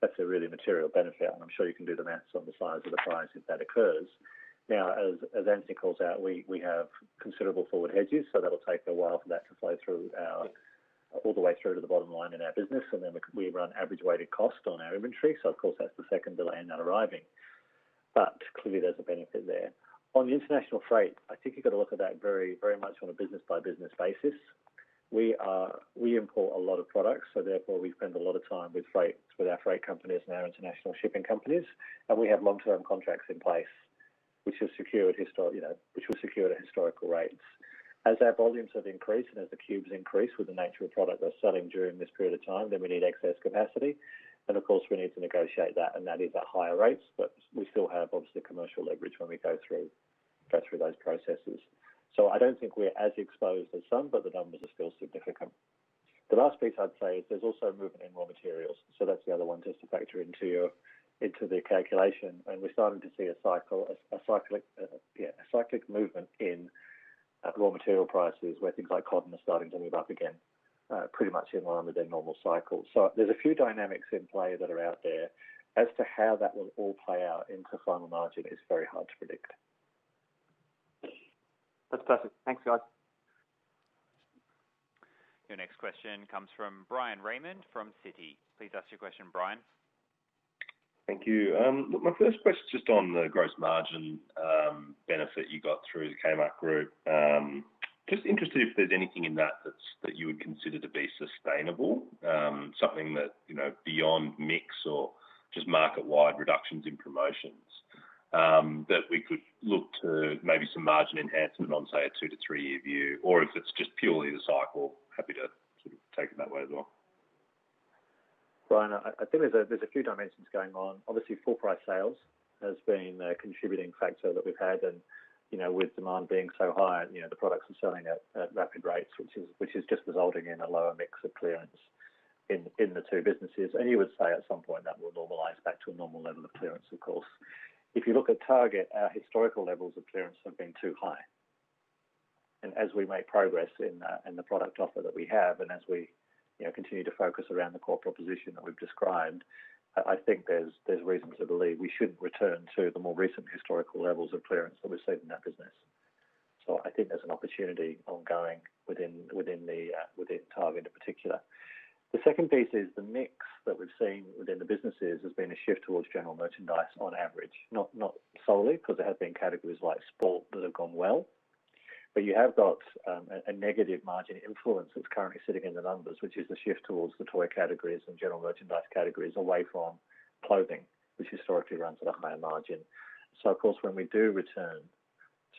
that's a really material benefit, and I'm sure you can do the math on the size of the prize if that occurs. As Anthony calls out, we have considerable forward hedges. That'll take a while for that to flow all the way through to the bottom line in our business. Then we run average weighted cost on our inventory. Of course, that's the second delay in that arriving. Clearly there's a benefit there. On the international freight, I think you've got to look at that very much on a business-by-business basis. We import a lot of products, so therefore we spend a lot of time with our freight companies and our international shipping companies, and we have long-term contracts in place which will secure the historical rates. As our volumes have increased and as the cubes increase with the nature of product we're selling during this period of time, then we need excess capacity, and of course, we need to negotiate that, and that is at higher rates. We still have, obviously, commercial leverage when we go through those processes. I don't think we're as exposed as some, but the numbers are still significant. The last piece I'd say is there's also movement in raw materials, so that's the other one just to factor into the calculation. We're starting to see a cyclic movement in raw material prices where things like cotton are starting to move up again, pretty much in line with their normal cycle. There's a few dynamics in play that are out there. As to how that will all play out into final margin is very hard to predict. That's perfect. Thanks, guys. Your next question comes from Bryan Raymond from Citi. Please ask your question, Bryan. Thank you. My first question's just on the gross margin benefit you got through the Kmart Group. Interested if there's anything in that that you would consider to be sustainable. Something that beyond mix or just market-wide reductions in promotions, that we could look to maybe some margin enhancement on, say, a two to three-year view, or if it's just purely the cycle. Happy to sort of take it that way as well. Bryan, I think there's a few dimensions going on. Obviously, full price sales has been a contributing factor that we've had, with demand being so high, the products are selling at rapid rates, which is just resulting in a lower mix of clearance in the two businesses. You would say at some point that will normalize back to a normal level of clearance, of course. If you look at Target, our historical levels of clearance have been too high. As we make progress in the product offer that we have, continue to focus around the core proposition that we've described. I think there's reason to believe we should return to the more recent historical levels of clearance that we've seen in that business. I think there's an opportunity ongoing within Target in particular. The second piece is the mix that we've seen within the businesses has been a shift towards general merchandise on average. Not solely, because there have been categories like sport that have gone well. You have got a negative margin influence that's currently sitting in the numbers, which is the shift towards the toy categories and general merchandise categories, away from clothing, which historically runs at a higher margin. Of course, when we do return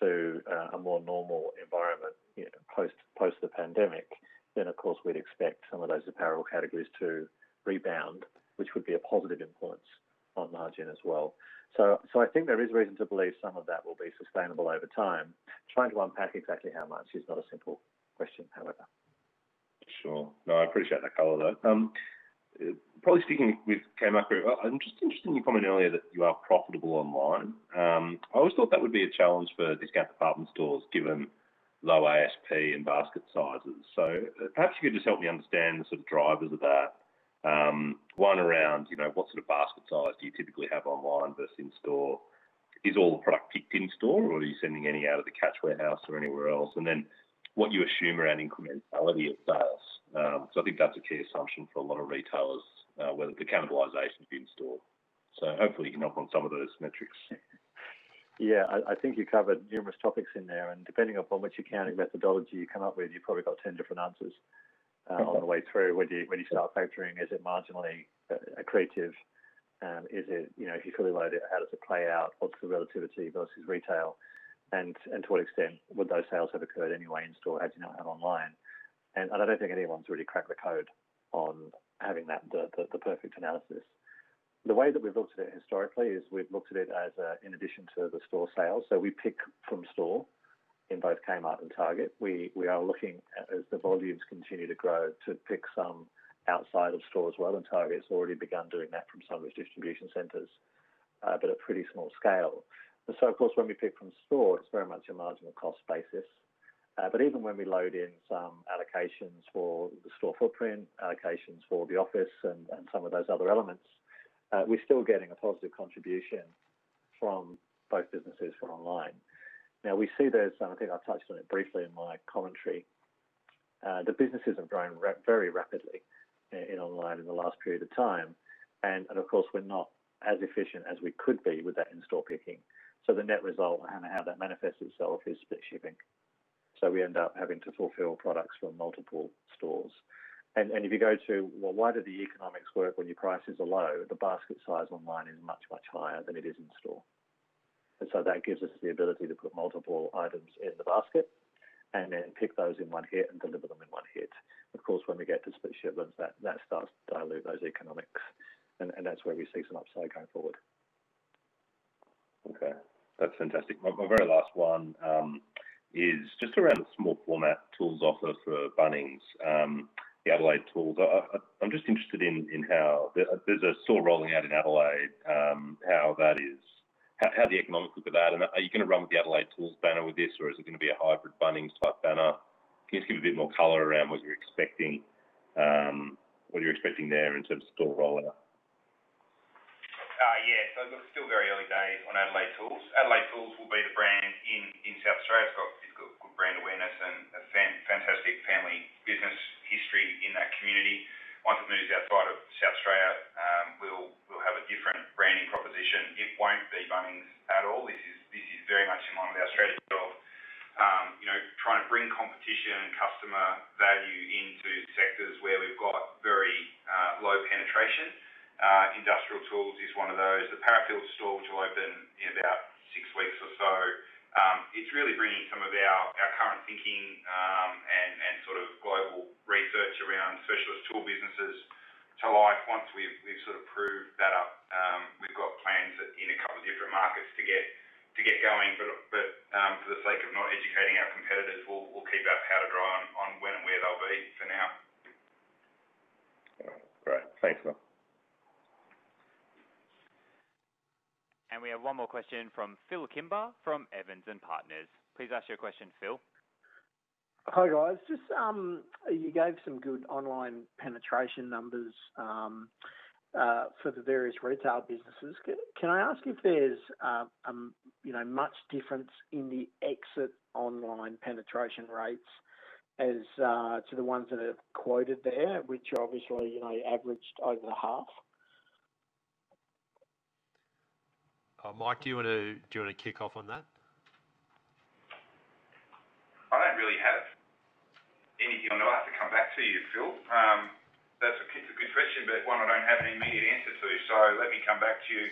to a more normal environment, post the pandemic, then of course we'd expect some of those apparel categories to rebound, which would be a positive influence on margin as well. I think there is reason to believe some of that will be sustainable over time. Trying to unpack exactly how much is not a simple question, however. Sure. No, I appreciate that color, though. Probably sticking with Kmart very well. I am just interested in your comment earlier that you are profitable online. I always thought that would be a challenge for discount department stores, given low ASP and basket sizes. Perhaps you could just help me understand the sort of drivers of that. One, around what sort of basket size do you typically have online versus in-store? Is all the product picked in store, or are you sending any out of the Catch warehouse or anywhere else? What you assume around incrementality of sales. I think that's a key assumption for a lot of retailers, whether the cannibalization is in store. Hopefully you can help on some of those metrics. Yeah. I think you covered numerous topics in there, depending upon which accounting methodology you come up with, you've probably got 10 different answers on the way through. When do you start factoring? Is it marginally accretive? If you fully load it, how does it play out? What's the relativity versus retail? To what extent would those sales have occurred anyway in store had you not had online? I don't think anyone's really cracked the code on having the perfect analysis. The way that we've looked at it historically is we've looked at it as in addition to the store sales. We pick from store in both Kmart and Target. We are looking at, as the volumes continue to grow, to pick some outside of store as well, Target's already begun doing that from some of its distribution centers, but at pretty small scale. Of course, when we pick from store, it's very much a marginal cost basis. Even when we load in some allocations for the store footprint, allocations for the office and some of those other elements, we're still getting a positive contribution from both businesses from online. Now we see there's, and I think I touched on it briefly in my commentary, the businesses have grown very rapidly in online in the last period of time. Of course, we're not as efficient as we could be with that in-store picking. The net result and how that manifests itself is split shipping. We end up having to fulfill products from multiple stores. If you go to, well, why do the economics work when your prices are low? The basket size online is much, much higher than it is in store. That gives us the ability to put multiple items in the basket and then pick those in one hit and deliver them in one hit. Of course, when we get to split shipments, that starts to dilute those economics, and that's where we see some upside going forward. Okay. That's fantastic. My very last one is just around the small format tools offer for Bunnings, the Adelaide Tools. I'm just interested in how, there's a store rolling out in Adelaide, how the economics look at that, and are you going to run with the Adelaide Tools banner with this, or is it going to be a hybrid Bunnings-type banner? Can you just give a bit more color around what you're expecting there in terms of store rollout? Yeah. Look, it's still very early days on Adelaide Tools. Adelaide Tools will be the brand in South Australia. It's got good brand awareness and a fantastic family business history in that community. Once it moves outside of South Australia, we'll have a different branding proposition. It won't be Bunnings at all. This is very much in line with our strategy of trying to bring competition and customer value into sectors where we've got very low penetration. Industrial tools is one of those. The Parafield store, which will open in about six weeks or so, it's really bringing some of our current thinking and sort of global research around specialist tool businesses to life. Once we've sort of proved that up, we've got plans in a couple of different markets to get going. For the sake of not educating our competitors, we'll keep our powder dry on when and where they'll be for now. All right. Great. Thanks, Mike. We have one more question from Phil Kimber from Evans and Partners. Please ask your question, Phil. Hi, guys. You gave some good online penetration numbers for the various retail businesses. Can I ask if there's much difference in the exit online penetration rates to the ones that are quoted there, which are obviously averaged over half? Mike, do you want to kick off on that? I don't really have anything on that. I'll have to come back to you, Phil. That's a good question, but one I don't have an immediate answer to. Let me come back to you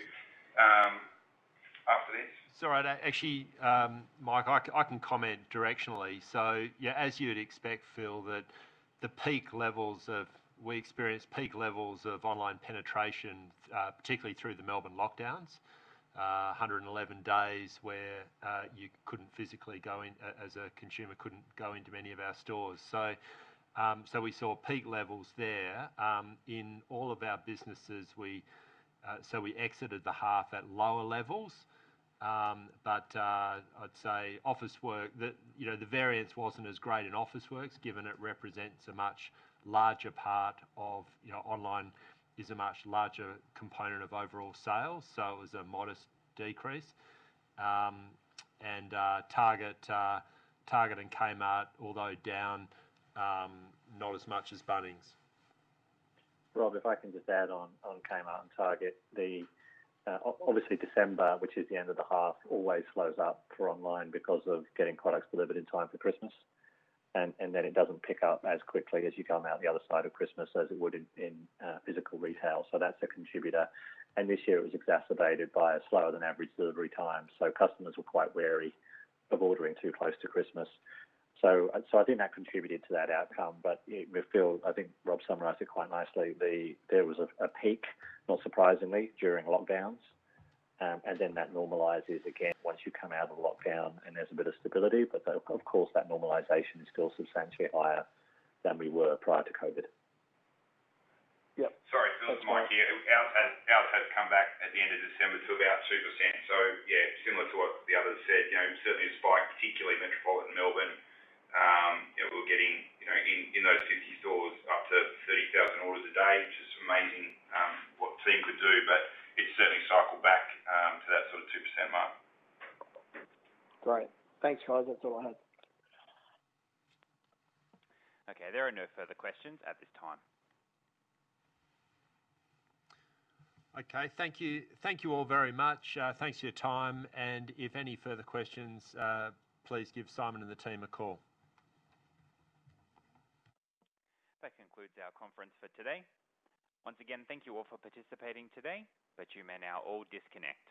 after this. Sorry. Actually, Mike, I can comment directionally. Yeah, as you would expect, Phil, that we experienced peak levels of online penetration, particularly through the Melbourne lockdowns, 111 days where you couldn't physically go in, as a consumer, couldn't go into many of our stores. We saw peak levels there. In all of our businesses, we exited the half at lower levels. I'd say, the variance wasn't as great in Officeworks, given it represents a much larger part of online is a much larger component of overall sales. It was a modest decrease. Target and Kmart, although down, not as much as Bunnings. Rob, if I can just add on Kmart and Target. Obviously December, which is the end of the half, always slows up for online because of getting products delivered in time for Christmas. It doesn't pick up as quickly as you come out the other side of Christmas as it would in physical retail. That's a contributor. This year it was exacerbated by a slower than average delivery time. Customers were quite wary of ordering too close to Christmas. I think that contributed to that outcome. I think Rob summarized it quite nicely. There was a peak, not surprisingly, during lockdowns. That normalizes again once you come out of the lockdown and there's a bit of stability. Of course, that normalization is still substantially higher than we were prior to COVID. Yeah. Sorry, Phil. It's Mike here. Ours has come back at the end of December to about 2%. Yeah, similar to what the others said, certainly the spike, particularly in metropolitan Melbourne. We were getting, in those 50 stores, up to 30,000 orders a day, which is amazing what the team could do. It's certainly cycled back to that sort of 2% mark. Great. Thanks, guys. That's all I had. Okay, there are no further questions at this time. Okay. Thank you all very much. Thanks for your time. If any further questions, please give Simon and the team a call. That concludes our conference for today. Once again, thank you all for participating today, but you may now all disconnect.